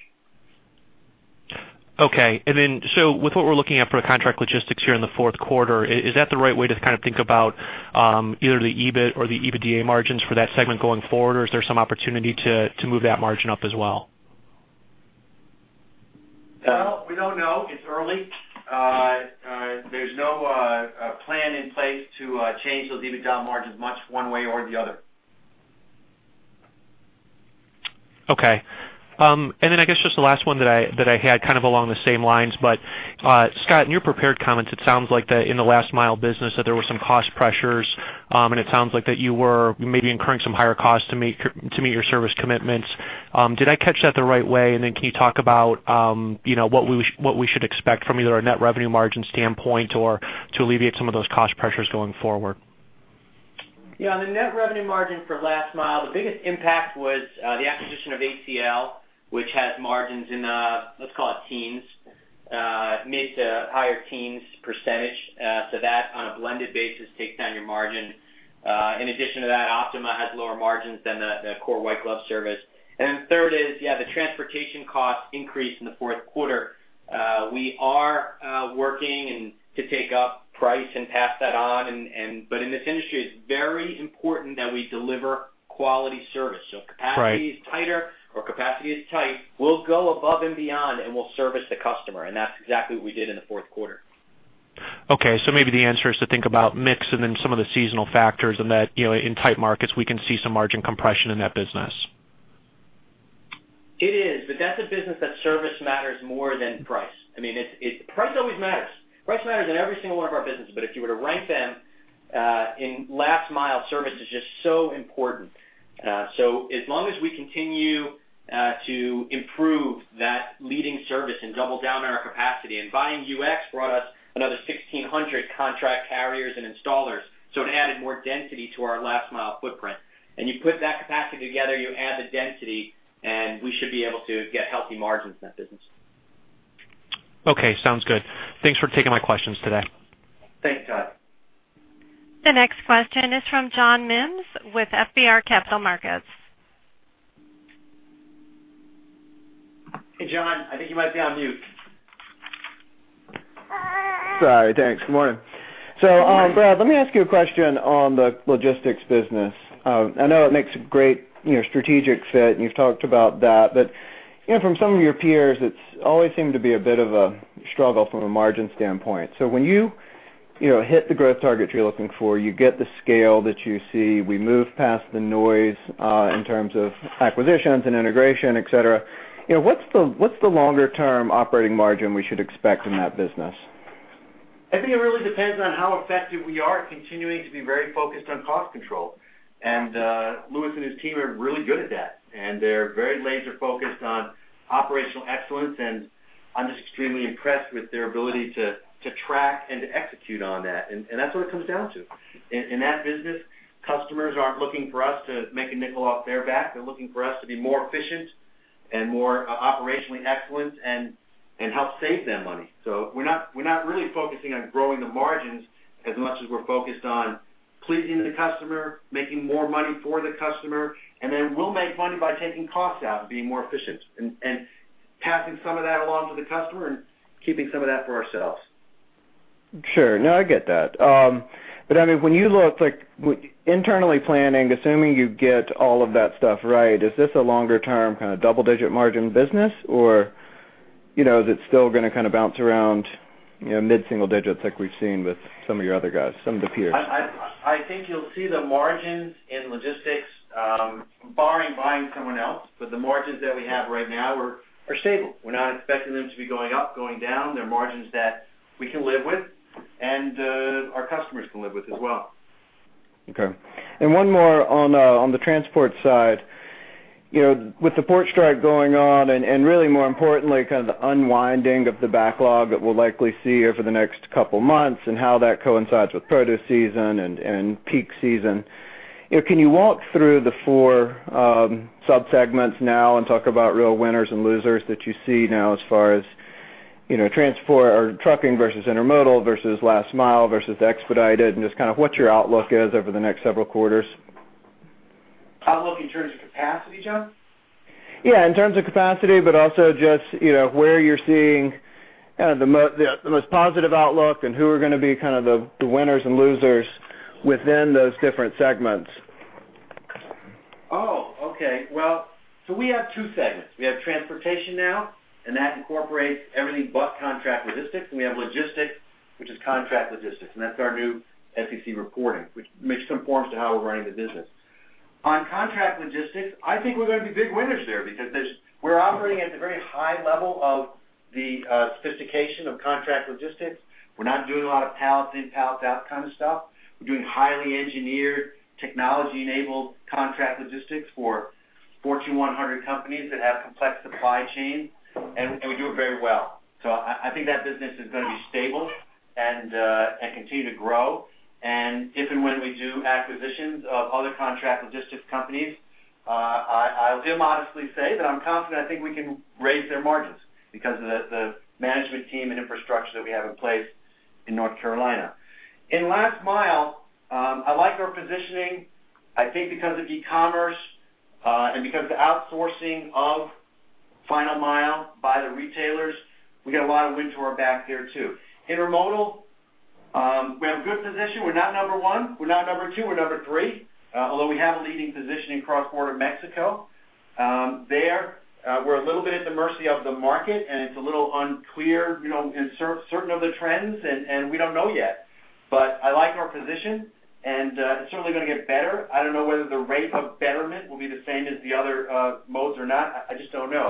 Okay, and then, so with what we're looking at for the Contract Logistics here in the fourth quarter, is that the right way to kind of think about either the EBIT or the EBITDA margins for that segment going forward, or is there some opportunity to move that margin up as well? Well, we don't know. It's early. There's no plan in place to change those EBITDA margins much one way or the other. Okay. And then I guess just the last one that I had kind of along the same lines, but Scott, in your prepared comments, it sounds like that in the Last Mile business, that there were some cost pressures, and it sounds like that you were maybe incurring some higher costs to meet your, to meet your service commitments. Did I catch that the right way? And then, can you talk about, you know, what we should expect from either a net revenue margin standpoint or to alleviate some of those cost pressures going forward? Yeah, the net revenue margin for Last Mile, the biggest impact was the acquisition of ACL, which has margins in, let's call it teens, mid- to higher-teens percentage. So that on a blended basis takes down your margin. In addition to that, Optima has lower margins than the core white glove service. And then third is, yeah, the transportation costs increased in the fourth quarter. We are working to take up price and pass that on, and but in this industry, it's very important that we deliver quality service. Right. So, capacity is tighter or capacity is tight, we'll go above and beyond, and we'll service the customer, and that's exactly what we did in the fourth quarter. Okay, so maybe the answer is to think about mix and then some of the seasonal factors and that, you know, in tight markets, we can see some margin compression in that business. It is, but that's a business that service matters more than price. I mean, it, price always matters. Price matters in every single one of our businesses, but if you were to rank them, in Last Mile, service is just so important. So as long as we continue to improve that leading service and double down on our capacity, and buying UX brought us another 1,600 contract carriers and installers, so it added more density to our Last Mile footprint. And you put that capacity together, you add the density, and we should be able to get healthy margins in that business. Okay, sounds good. Thanks for taking my questions today. Thanks, Todd. The next question is from John Mims with FBR Capital Markets. Hey, John, I think you might be on mute. Sorry. Thanks. Good morning. Good morning. So, Brad, let me ask you a question on the Logistics business. I know it makes a great, you know, strategic fit, and you've talked about that. But, you know, from some of your peers, it's always seemed to be a bit of a struggle from a margin standpoint. So when you, you know, hit the growth targets you're looking for, you get the scale that you see, we move past the noise, in terms of acquisitions and integration, et cetera. You know, what's the, what's the longer-term operating margin we should expect in that business? I think it really depends on how effective we are continuing to be very focused on cost control. Louis and his team are really good at that, and they're very laser-focused on operational excellence, and I'm just extremely impressed with their ability to track and to execute on that. That's what it comes down to. In that business, customers aren't looking for us to make a nickel off their back. They're looking for us to be more efficient and more operationally excellent and help save them money. So we're not really focusing on growing the margins as much as we're focused on pleasing the customer, making more money for the customer, and then we'll make money by taking costs out and being more efficient and passing some of that along to the customer and keeping some of that for ourselves. Sure. No, I get that. But I mean, when you look like internally planning, assuming you get all of that stuff right, is this a longer-term kind of double-digit margin business, or, you know, is it still gonna kind of bounce around, you know, mid-single digits like we've seen with some of your other guys, some of the peers? I think you'll see the margins in Logistics, barring buying someone else, but the margins that we have right now are stable. We're not expecting them to be going up, going down. They're margins that we can live with and our customers can live with as well. Okay. And one more on the transport side. You know, with the port strike going on, and really more importantly, kind of the unwinding of the backlog that we'll likely see over the next couple of months and how that coincides with produce season and peak season, you know, can you walk through the four subsegments now and talk about real winners and losers that you see now as far as, you know, transport or trucking versus Intermodal, versus Last Mile, versus expedited, and just kind of what your outlook is over the next several quarters? Outlook in terms of capacity, John? Yeah, in terms of capacity, but also just, you know, where you're seeing the most positive outlook and who are gonna be kind of the winners and losers within those different segments? Oh, okay. Well, so we have two segments. We have Transportation now, and that incorporates everything but Contract Logistics. And we have Logistics, which is Contract Logistics, and that's our new SEC reporting, which makes some forms to how we're running the business. On Contract Logistics, I think we're gonna be big winners there because there's... We're operating at a very high level of the sophistication of Contract Logistics. We're not doing a lot of pallets in, pallets out kind of stuff. We're doing highly engineered, technology-enabled Contract Logistics for Fortune 100 companies that have complex supply chains, and, and we do it very well. So I, I think that business is gonna be stable and, and continue to grow. And if and when we do acquisitions of other Contract Logistics companies, I, I'll modestly say that I'm confident I think we can raise their margins because of the management team and infrastructure that we have in place in North Carolina. In Last Mile, I like our positioning, I think because of e-commerce, and because of the outsourcing of final mile by the retailers, we got a lot of wind to our back there, too. Intermodal, we have a good position. We're not number one, we're not number two, we're number three, although we have a leading position in cross-border Mexico. There, we're a little bit at the mercy of the market, and it's a little unclear, you know, in certain of the trends, and we don't know yet. But I like our position, and it's certainly gonna get better. I don't know whether the rate of betterment will be the same as the other modes or not. I just don't know.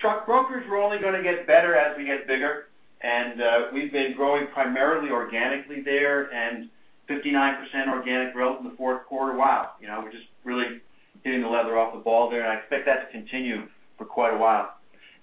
Truck brokers were only gonna get better as we get bigger, and we've been growing primarily organically there, and 59% organic growth in the fourth quarter, wow, you know, we're just really getting the leather off the ball there, and I expect that to continue for quite a while.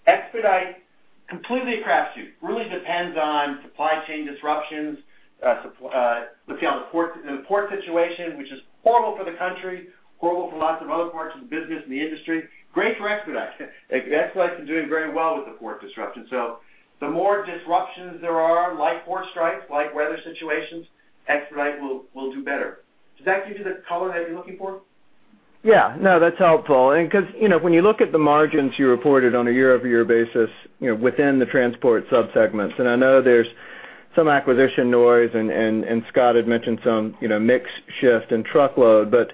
Expedite, completely a crap shoot, really depends on supply chain disruptions, let's see how the port, the port situation, which is horrible for the country, horrible for lots of other parts of the business and the industry. Great for Expedite. Expedite is doing very well with the port disruption. So the more disruptions there are, like port strikes, like weather situations, Expedite will do better. Does that give you the color that you're looking for? Yeah. No, that's helpful. And 'cause, you know, when you look at the margins you reported on a year-over-year basis, you know, within the transport subsegments, and I know there's some acquisition noise, and Scott had mentioned some, you know, mix shift in truckload. But,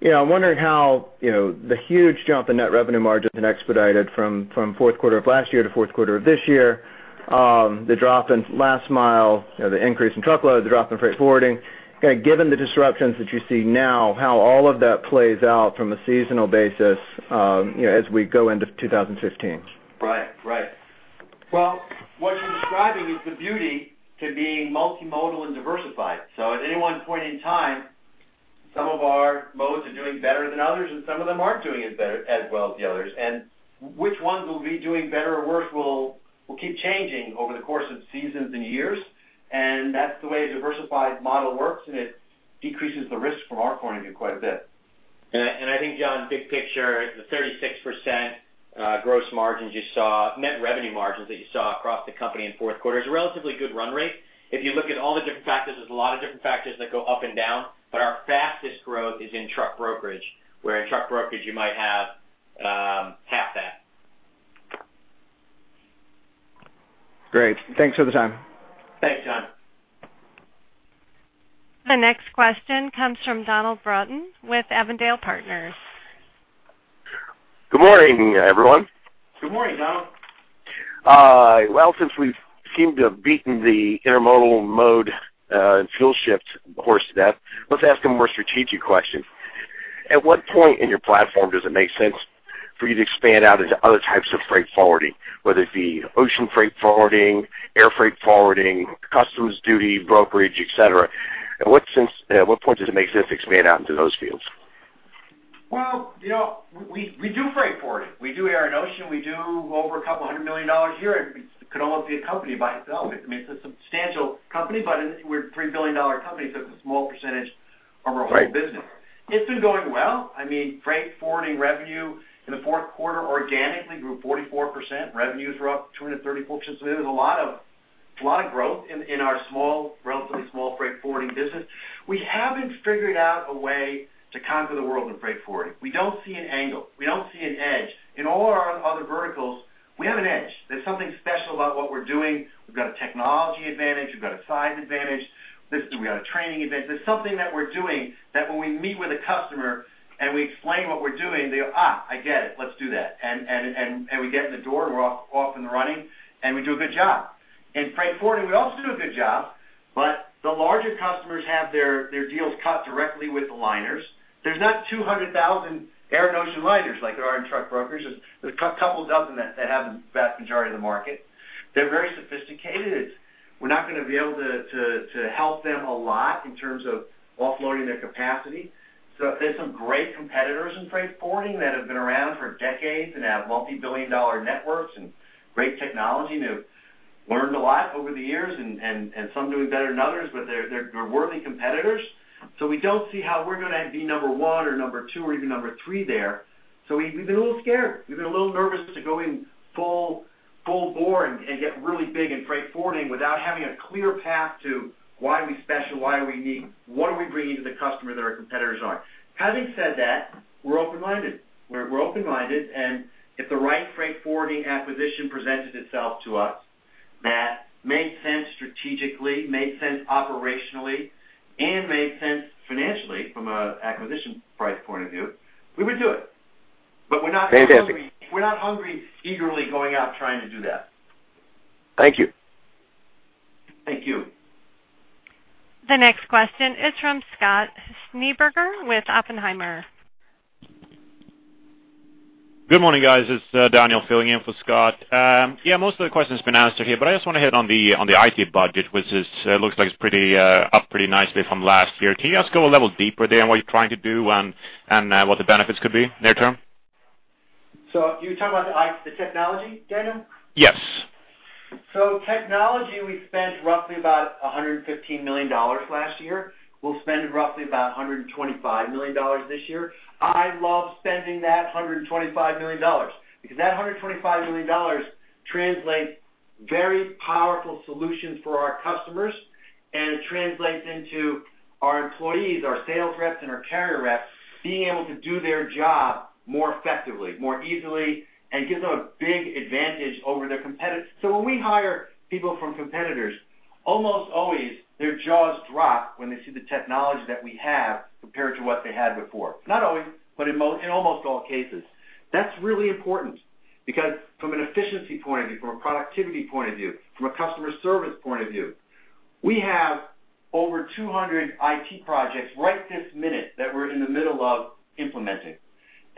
you know, I'm wondering how, you know, the huge jump in net revenue margins in Expedited from fourth quarter of last year to fourth quarter of this year, the drop in Last Mile, you know, the increase in truckload, the drop Freight Forwarding. kind of given the disruptions that you see now, how all of that plays out from a seasonal basis, you know, as we go into 2015. Right. Right. Well, what you're describing is the beauty to being multimodal and diversified. So at any one point in time, some of our modes are doing better than others, and some of them aren't doing as better as well as the others. And which ones will be doing better or worse will, will keep changing over the course of seasons and years, and that's the way a diversified model works, and it decreases the risk from our point of view quite a bit. I think, John, big picture, the 36% gross margins you saw, net revenue margins that you saw across the company in fourth quarter is a relatively good run rate. If you look at all the different factors, there's a lot of different factors that go up and down, but our fastest growth is in Truck Brokerage, where in Truck Brokerage you might have half that. Great. Thanks for the time. Thanks, John. The next question comes from Donald Broughton with Avondale Partners. Good morning, everyone. Good morning, Donald. Well, since we've seemed to have beaten the Intermodal mode and fuel shift horse to death, let's ask a more strategic question. At what point in your platform does it make sense for you to expand out into other types Freight Forwarding, whether it be Freight Forwarding, customs duty, brokerage, et cetera? At what point does it make sense to expand out into those fields? Well, you know, we Freight Forwarding. we do air and ocean. We do over $200 million a year, and it could almost be a company by itself. I mean, it's a substantial company, but we're a $3 billion company, so it's a small percentage of our whole business. Right. It's been going well. I Freight Forwarding revenue in the fourth quarter, organically, grew 44%. Revenues were up 234%. So there's a lot of, a lot of growth in, in our small, relatively Freight Forwarding business. We haven't figured out a way to conquer the world Freight Forwarding. we don't see an angle. We don't see an edge. In all our other verticals, we have an edge. There's something special about what we're doing. We've got a technology advantage. We've got a size advantage. This, we got a training advantage. There's something that we're doing that when we meet with a customer and we explain what we're doing, they go, "Ah, I get it. Let's do that." And, and, and, and we get in the door, and we're off, off and running, and we do a good job. Freight Forwarding, we also do a good job, but the larger customers have their deals cut directly with the liners. There's not 200,000 air and ocean liners like there are in truck brokers. There's a couple dozen that have the vast majority of the market. They're very sophisticated. We're not going to be able to help them a lot in terms of offloading their capacity. So there's some great competitors Freight Forwarding that have been around for decades and have multi-billion dollar networks and great technology. They've learned a lot over the years and some doing better than others, but they're worthy competitors. So we don't see how we're going to be number one or number two or even number three there. So we've been a little scared. We've been a little nervous to go in full bore and get really big Freight Forwarding without having a clear path to why are we special, why are we unique? What are we bringing to the customer that our competitors aren't? Having said that, we're open-minded. We're open-minded, and if the Freight Forwarding acquisition presented itself to us, that made sense strategically, made sense operationally, and made sense financially from a acquisition price point of view, we would do it. But we're not- Fantastic... we're not hungry, eagerly going out trying to do that. Thank you. Thank you. The next question is from Scott Schneeberger with Oppenheimer. Good morning, guys. It's Daniel filling in for Scott. Yeah, most of the questions have been answered here, but I just want to hit on the, on the IT budget, which looks like it's pretty up pretty nicely from last year. Can you just go a level deeper there on what you're trying to do and what the benefits could be near term? So you're talking about the technology, Daniel? Yes. So technology, we spent roughly about $115 million last year. We'll spend roughly about $125 million this year. I love spending that $125 million, because that $125 million translates very powerful solutions for our customers, and it translates into our employees, our sales reps and our carrier reps, being able to do their job more effectively, more easily, and gives them a big advantage over their competitors. So when we hire people from competitors, almost always, their jaws drop when they see the technology that we have compared to what they had before. Not always, but in almost all cases. That's really important, because from an efficiency point of view, from a productivity point of view, from a customer service point of view, we have over 200 IT projects right this minute that we're in the middle of implementing.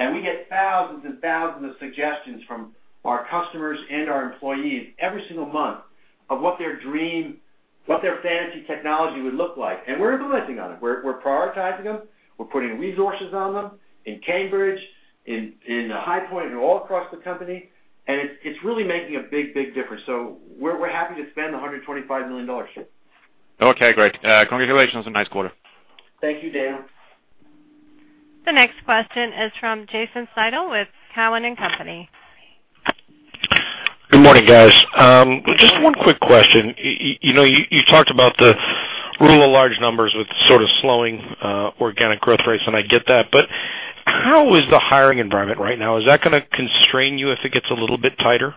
And we get thousands and thousands of suggestions from our customers and our employees every single month of what their dream-... what their fancy technology would look like, and we're implementing on it. We're, we're prioritizing them, we're putting resources on them in Cambridge, in High Point, and all across the company, and it's, it's really making a big, big difference. So we're, we're happy to spend $125 million. Okay, great. Congratulations on a nice quarter. Thank you, Dan. The next question is from Jason Seidl with Cowen and Company. Good morning, guys. Just one quick question. You know, you talked about the rule of large numbers with sort of slowing organic growth rates, and I get that. But how is the hiring environment right now? Is that going to constrain you if it gets a little bit tighter?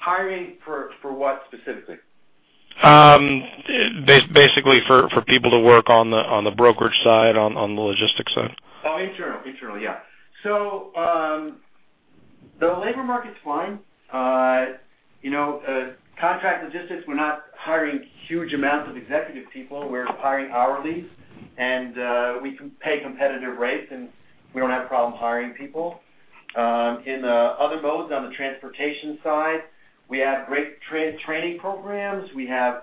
Hiring for, for what, specifically? Basically for people to work on the brokerage side, on the Logistics side. Oh, internal. Internal, yeah. So, the labor market's fine. You know, Contract Logistics, we're not hiring huge amounts of executive people. We're hiring hourly, and we can pay competitive rates, and we don't have a problem hiring people. In other modes, on the Transportation side, we have great training programs. We have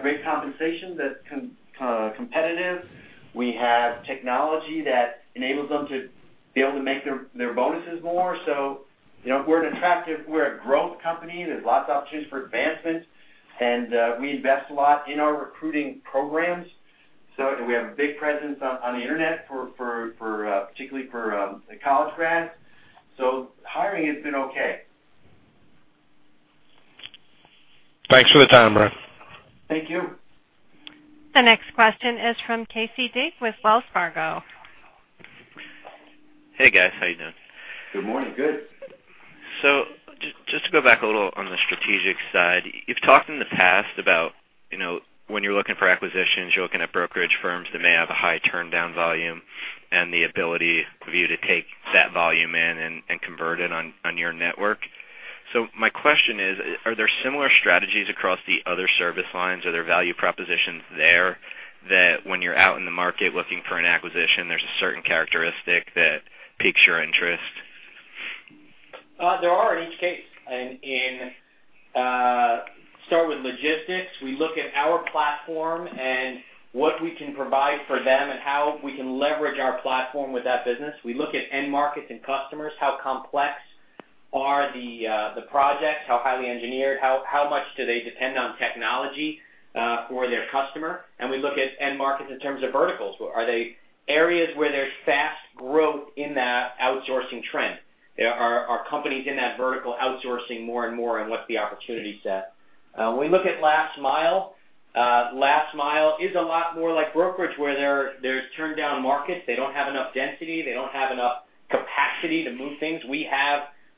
great compensation that's competitive. We have technology that enables them to be able to make their bonuses more. So, you know, we're an attractive -- we're a growth company. There's lots of opportunities for advancement, and we invest a lot in our recruiting programs. So we have a big presence on the internet for particularly for the college grads. So hiring has been okay. Thanks for the time,. Thank you. The next question is from Casey Deak with Wells Fargo. Hey, guys. How you doing? Good morning. Good. So just to go back a little on the strategic side, you've talked in the past about, you know, when you're looking for acquisitions, you're looking at brokerage firms that may have a high turndown volume and the ability for you to take that volume in and convert it on your network. So my question is, are there similar strategies across the other service lines? Are there value propositions there that when you're out in the market looking for an acquisition, there's a certain characteristic that piques your interest? There are in each case. And in start with Logistics. We look at our platform and what we can provide for them and how we can leverage our platform with that business. We look at end markets and customers, how complex are the projects, how highly engineered, how much do they depend on technology for their customer? And we look at end markets in terms of verticals. Are they areas where there's fast growth in that outsourcing trend? Are companies in that vertical outsourcing more and more, and what's the opportunity set? When we look at Last Mile, Last Mile is a lot more like brokerage, where there's turndown markets. They don't have enough density, they don't have enough capacity to move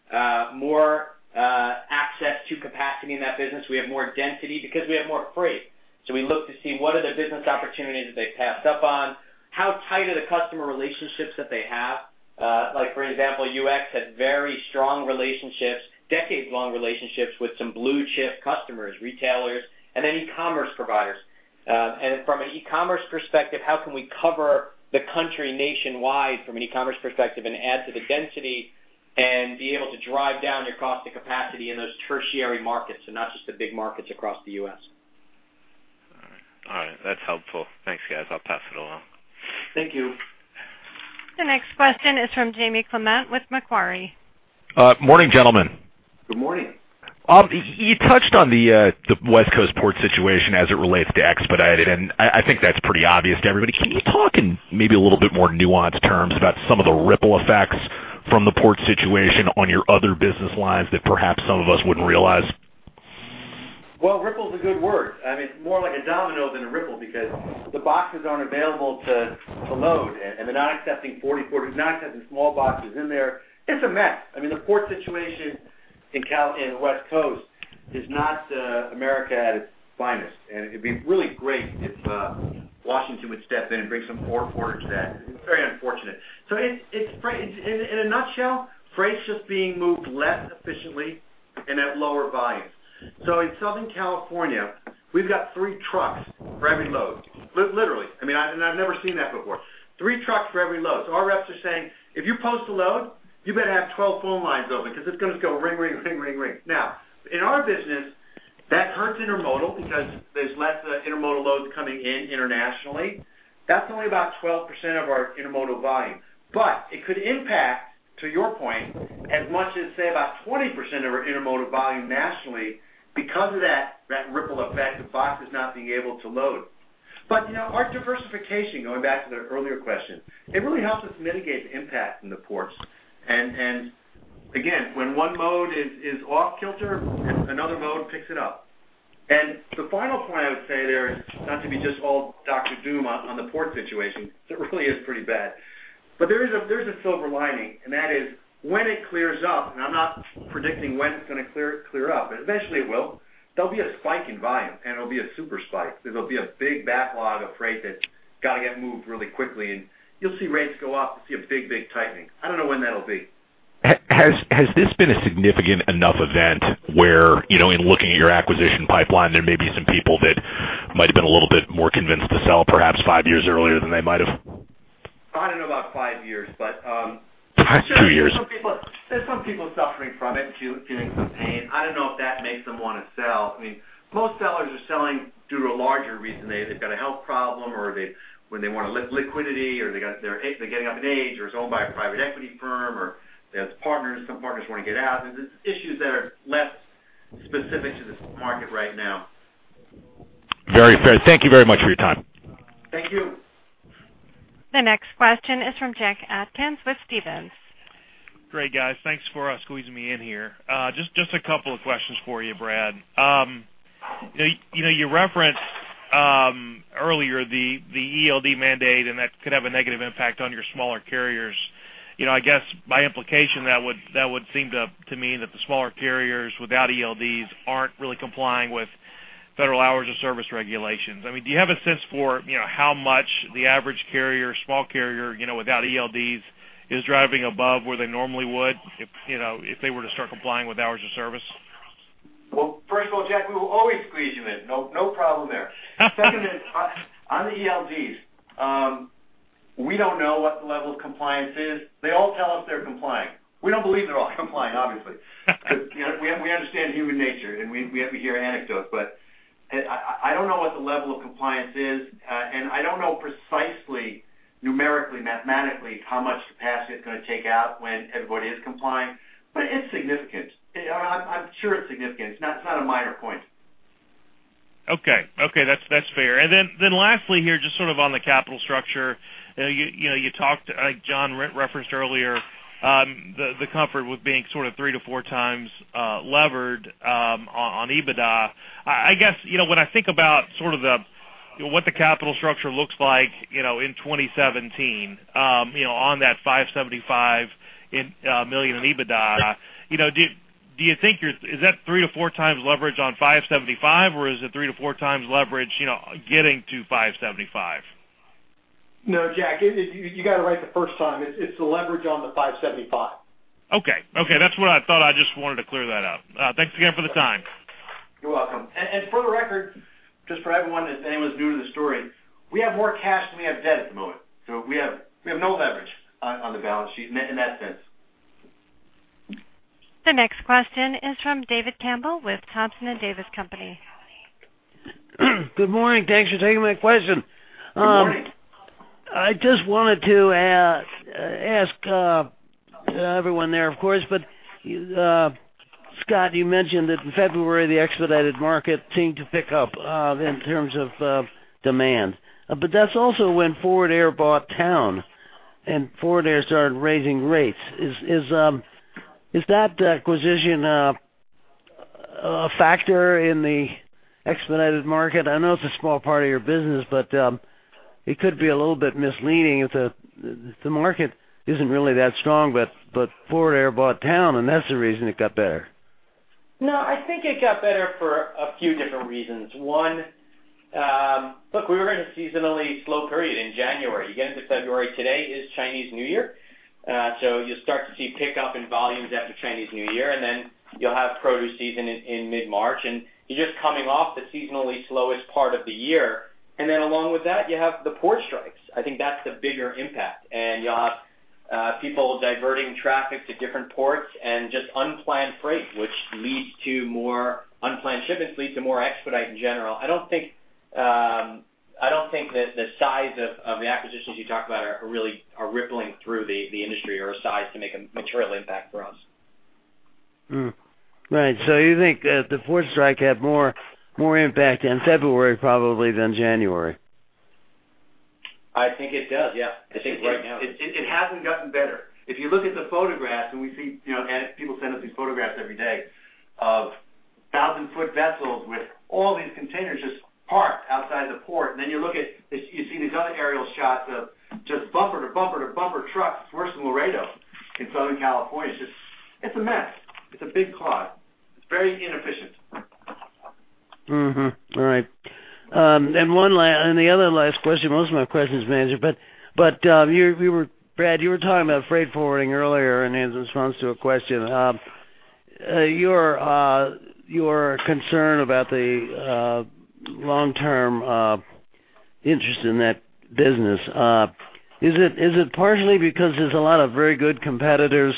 things. We have more access to capacity in that business. We have more density because we have more freight. So we look to see what are the business opportunities that they passed up on, how tight are the customer relationships that they have? Like, for example, UX has very strong relationships, decades-long relationships with some blue chip customers, retailers, and then e-commerce providers. And from an e-commerce perspective, how can we cover the country nationwide from an e-commerce perspective and add to the density and be able to drive down your cost of capacity in those tertiary markets and not just the big markets across the U.S.? All right. That's helpful. Thanks, guys. I'll pass it along. Thank you. The next question is from Jamie Clement with Macquarie. Morning, gentlemen. Good morning. You touched on the West Coast port situation as it relates to expedited, and I think that's pretty obvious to everybody. Can you talk in maybe a little bit more nuanced terms about some of the ripple effects from the port situation on your other business lines that perhaps some of us wouldn't realize? Well, ripple is a good word. I mean, it's more like a domino than a ripple, because the boxes aren't available to load, and they're not accepting 40-footer, not accepting small boxes in there. It's a mess. I mean, the port situation in California in the West Coast is not America at its finest, and it'd be really great if Washington would step in and bring some more porters to that. It's very unfortunate. So it's freight in a nutshell, freight's just being moved less efficiently and at lower volumes. So in Southern California, we've got three trucks for every load, literally. I mean, and I've never seen that before. Three trucks for every load. So our reps are saying, "If you post a load, you better have 12 phone lines open because it's going to go ring, ring, ring, ring, ring." Now, in our business, that hurts Intermodal because there's less Intermodal loads coming in internationally. That's only about 12% of our Intermodal volume. But it could impact, to your point, as much as, say, about 20% of our Intermodal volume nationally because of that, that ripple effect of boxes not being able to load. But, you know, our diversification, going back to the earlier question, it really helps us mitigate the impact in the ports. And, and again, when one mode is, is off kilter, another mode picks it up. And the final point I would say there is not to be just all Dr. Doom on, on the port situation, it really is pretty bad. But there is a silver lining, and that is when it clears up, and I'm not predicting when it's going to clear up, but eventually it will. There'll be a spike in volume, and it'll be a super spike. There'll be a big backlog of freight that gotta get moved really quickly, and you'll see rates go up. You'll see a big, big tightening. I don't know when that'll be. Has this been a significant enough event where, you know, in looking at your acquisition pipeline, there may be some people that might have been a little bit more convinced to sell, perhaps five years earlier than they might have?... five years, but, Two years. There's some people, there's some people suffering from it, feeling some pain. I don't know if that makes them want to sell. I mean, most sellers are selling due to a larger reason. They've got a health problem, or they want to lift liquidity, or they're getting up in age, or it's owned by a private equity firm, or there's partners, some partners want to get out. There's issues that are less specific to this market right now. Very fair. Thank you very much for your time. Thank you. The next question is from Jack Atkins with Stephens. Great, guys. Thanks for squeezing me in here. Just a couple of questions for you, Brad. You know, you referenced earlier the ELD mandate, and that could have a negative impact on your smaller carriers. You know, I guess by implication, that would seem to me that the smaller carriers without ELDs aren't really complying with federal hours of service regulations. I mean, do you have a sense for, you know, how much the average carrier, small carrier, you know, without ELDs, is driving above where they normally would if, you know, if they were to start complying with hours of service? Well, first of all, Jack, we will always squeeze you in. No, no problem there. Second is, on the ELDs, we don't know what the level of compliance is. They all tell us they're complying. We don't believe they're all complying, obviously. We understand human nature, and we have to hear anecdotes, but I don't know what the level of compliance is. And I don't know precisely, numerically, mathematically, how much capacity it's going to take out when everybody is complying, but it's significant. I'm sure it's significant. It's not a minor point. Okay. Okay, that's fair. And then lastly here, just sort of on the capital structure. You know, you talked, like John referenced earlier, the comfort with being sort of 3-4 times levered on EBITDA. I guess, you know, when I think about sort of the what the capital structure looks like, you know, in 2017, you know, on that $575 million in EBITDA, you know, do you think your... Is that 3-4 times leverage on $575 million, or is it 3-4× leverage, you know, getting to $575 million? No, Jack, it, you got it right the first time. It's, it's the leverage on the 575. Okay. Okay, that's what I thought. I just wanted to clear that out. Thanks again for the time. You're welcome. And for the record, just for everyone, if anyone's new to the story, we have more cash than we have debt at the moment, so we have no leverage on the balance sheet in that sense. The next question is from David Campbell with Thompson Davis & Co. Good morning. Thanks for taking my question. Good morning. I just wanted to ask everyone there, of course, but, Scott, you mentioned that in February, the expedited market seemed to pick up in terms of demand. But that's also when Forward Air bought Towne, and Forward Air started raising rates. Is that acquisition a factor in the expedited market? I know it's a small part of your business, but it could be a little bit misleading if the market isn't really that strong, but Forward Air bought Towne, and that's the reason it got better. No, I think it got better for a few different reasons. One, look, we were in a seasonally slow period in January. You get into February, today is Chinese New Year, so you'll start to see pickup in volumes after Chinese New Year, and then you'll have produce season in mid-March, and you're just coming off the seasonally slowest part of the year. And then along with that, you have the port strikes. I think that's the bigger impact. And you'll have people diverting traffic to different ports and just unplanned freight, which leads to more unplanned shipments, leads to more expedite in general. I don't think that the size of the acquisitions you talked about are really rippling through the industry or a size to make a material impact for us. Hmm. Right. So you think, the port strike had more, more impact in February probably than January? I think it does, yeah. I think right now- It hasn't gotten better. If you look at the photographs, and we see, you know, and people send us these photographs every day of thousand-foot vessels with all these containers just parked outside the port, and then you see these other aerial shots of just bumper to bumper to bumper trucks worse than Laredo in Southern California. It's just, it's a mess. It's a big clog. It's very inefficient. Mm-hmm. All right. And the other last question, most of my questions have been answered, but you were, Brad, you were talking Freight Forwarding earlier in response to a question. Your concern about the long-term interest in that business, is it partially because there's a lot of very good competitors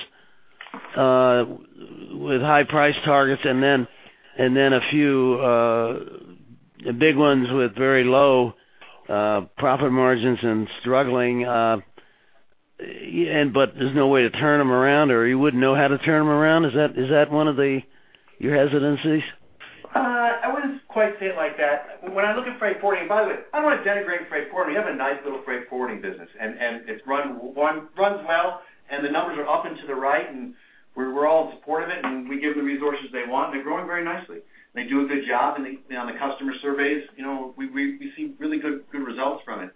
with high price targets and then a few big ones with very low profit margins and struggling, and but there's no way to turn them around, or you wouldn't know how to turn them around? Is that one of your hesitancies? I wouldn't quite say it like that. When I look Freight Forwarding, by the way, I don't want to Freight Forwarding. we have a nice Freight Forwarding business, and it's run, runs well, and the numbers are up and to the right, and we're all in support of it, and we give the resources they want. They're growing very nicely. They do a good job, and on the customer surveys, you know, we see really good results from it.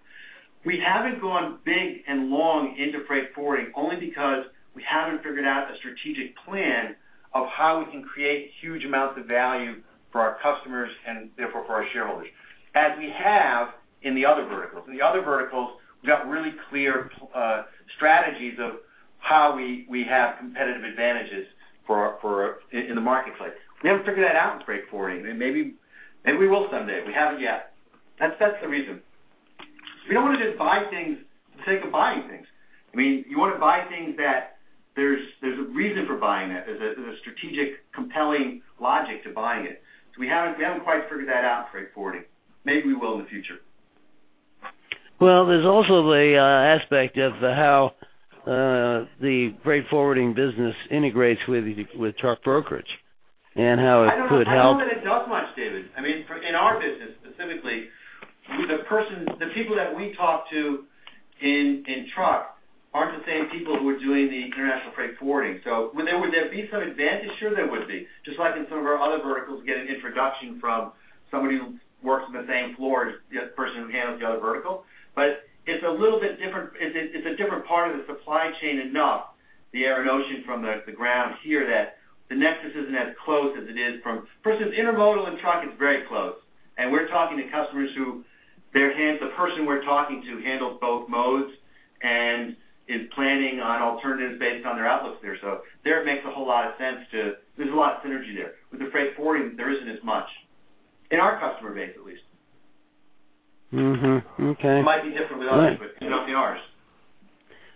We haven't gone big and long Freight Forwarding, only because we haven't figured out a strategic plan of how we can create huge amounts of value for our customers and therefore for our shareholders, as we have in the other verticals. In the other verticals, we've got really clear strategies of how we have competitive advantages for in the marketplace. We haven't figured that out Freight Forwarding, and maybe we will someday. We haven't yet. That's the reason. We don't want to just buy things for the sake of buying things. I mean, you want to buy things that there's a reason for buying it, there's a strategic, compelling logic to buying it. So we haven't quite figured that out Freight Forwarding. maybe we will in the future. Well, there's also the aspect of how Freight Forwarding business integrates with the Truck Brokerage and how it could help. I don't know that it does much, David. I mean, for in our business specifically, the person, the people that we talk to in, in truck aren't the same people who are doing the Freight Forwarding. so would there, would there be some advantage? Sure, there would be. Just like in some of our other verticals, you get an introduction from somebody who works on the same floor as the other person who handles the other vertical. But it's a little bit different. It's a, it's a different part of the supply chain enough, the air and ocean from the, the ground here, that the nexus isn't as close as it is from... First, it's Intermodal and truck, it's very close. And we're talking to customers who their hands, the person we're talking to handles both modes and is planning on alternatives based on their outlooks there. So there it makes a whole lot of sense to... There's a lot of synergy there. With Freight Forwarding, there isn't as much, in our customer base, at least. Mm-hmm. Okay. It might be different with others, but it's not ours.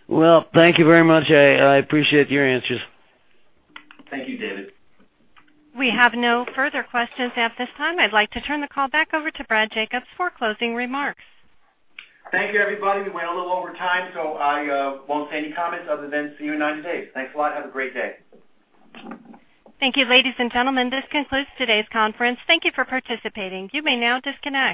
Well, thank you very much. I appreciate your answers. Thank you, David. We have no further questions at this time. I'd like to turn the call back over to Brad Jacobs for closing remarks. Thank you, everybody. We went a little over time, so I won't say any comments other than see you in 90 days. Thanks a lot. Have a great day. Thank you, ladies and gentlemen, this concludes today's conference. Thank you for participating. You may now disconnect.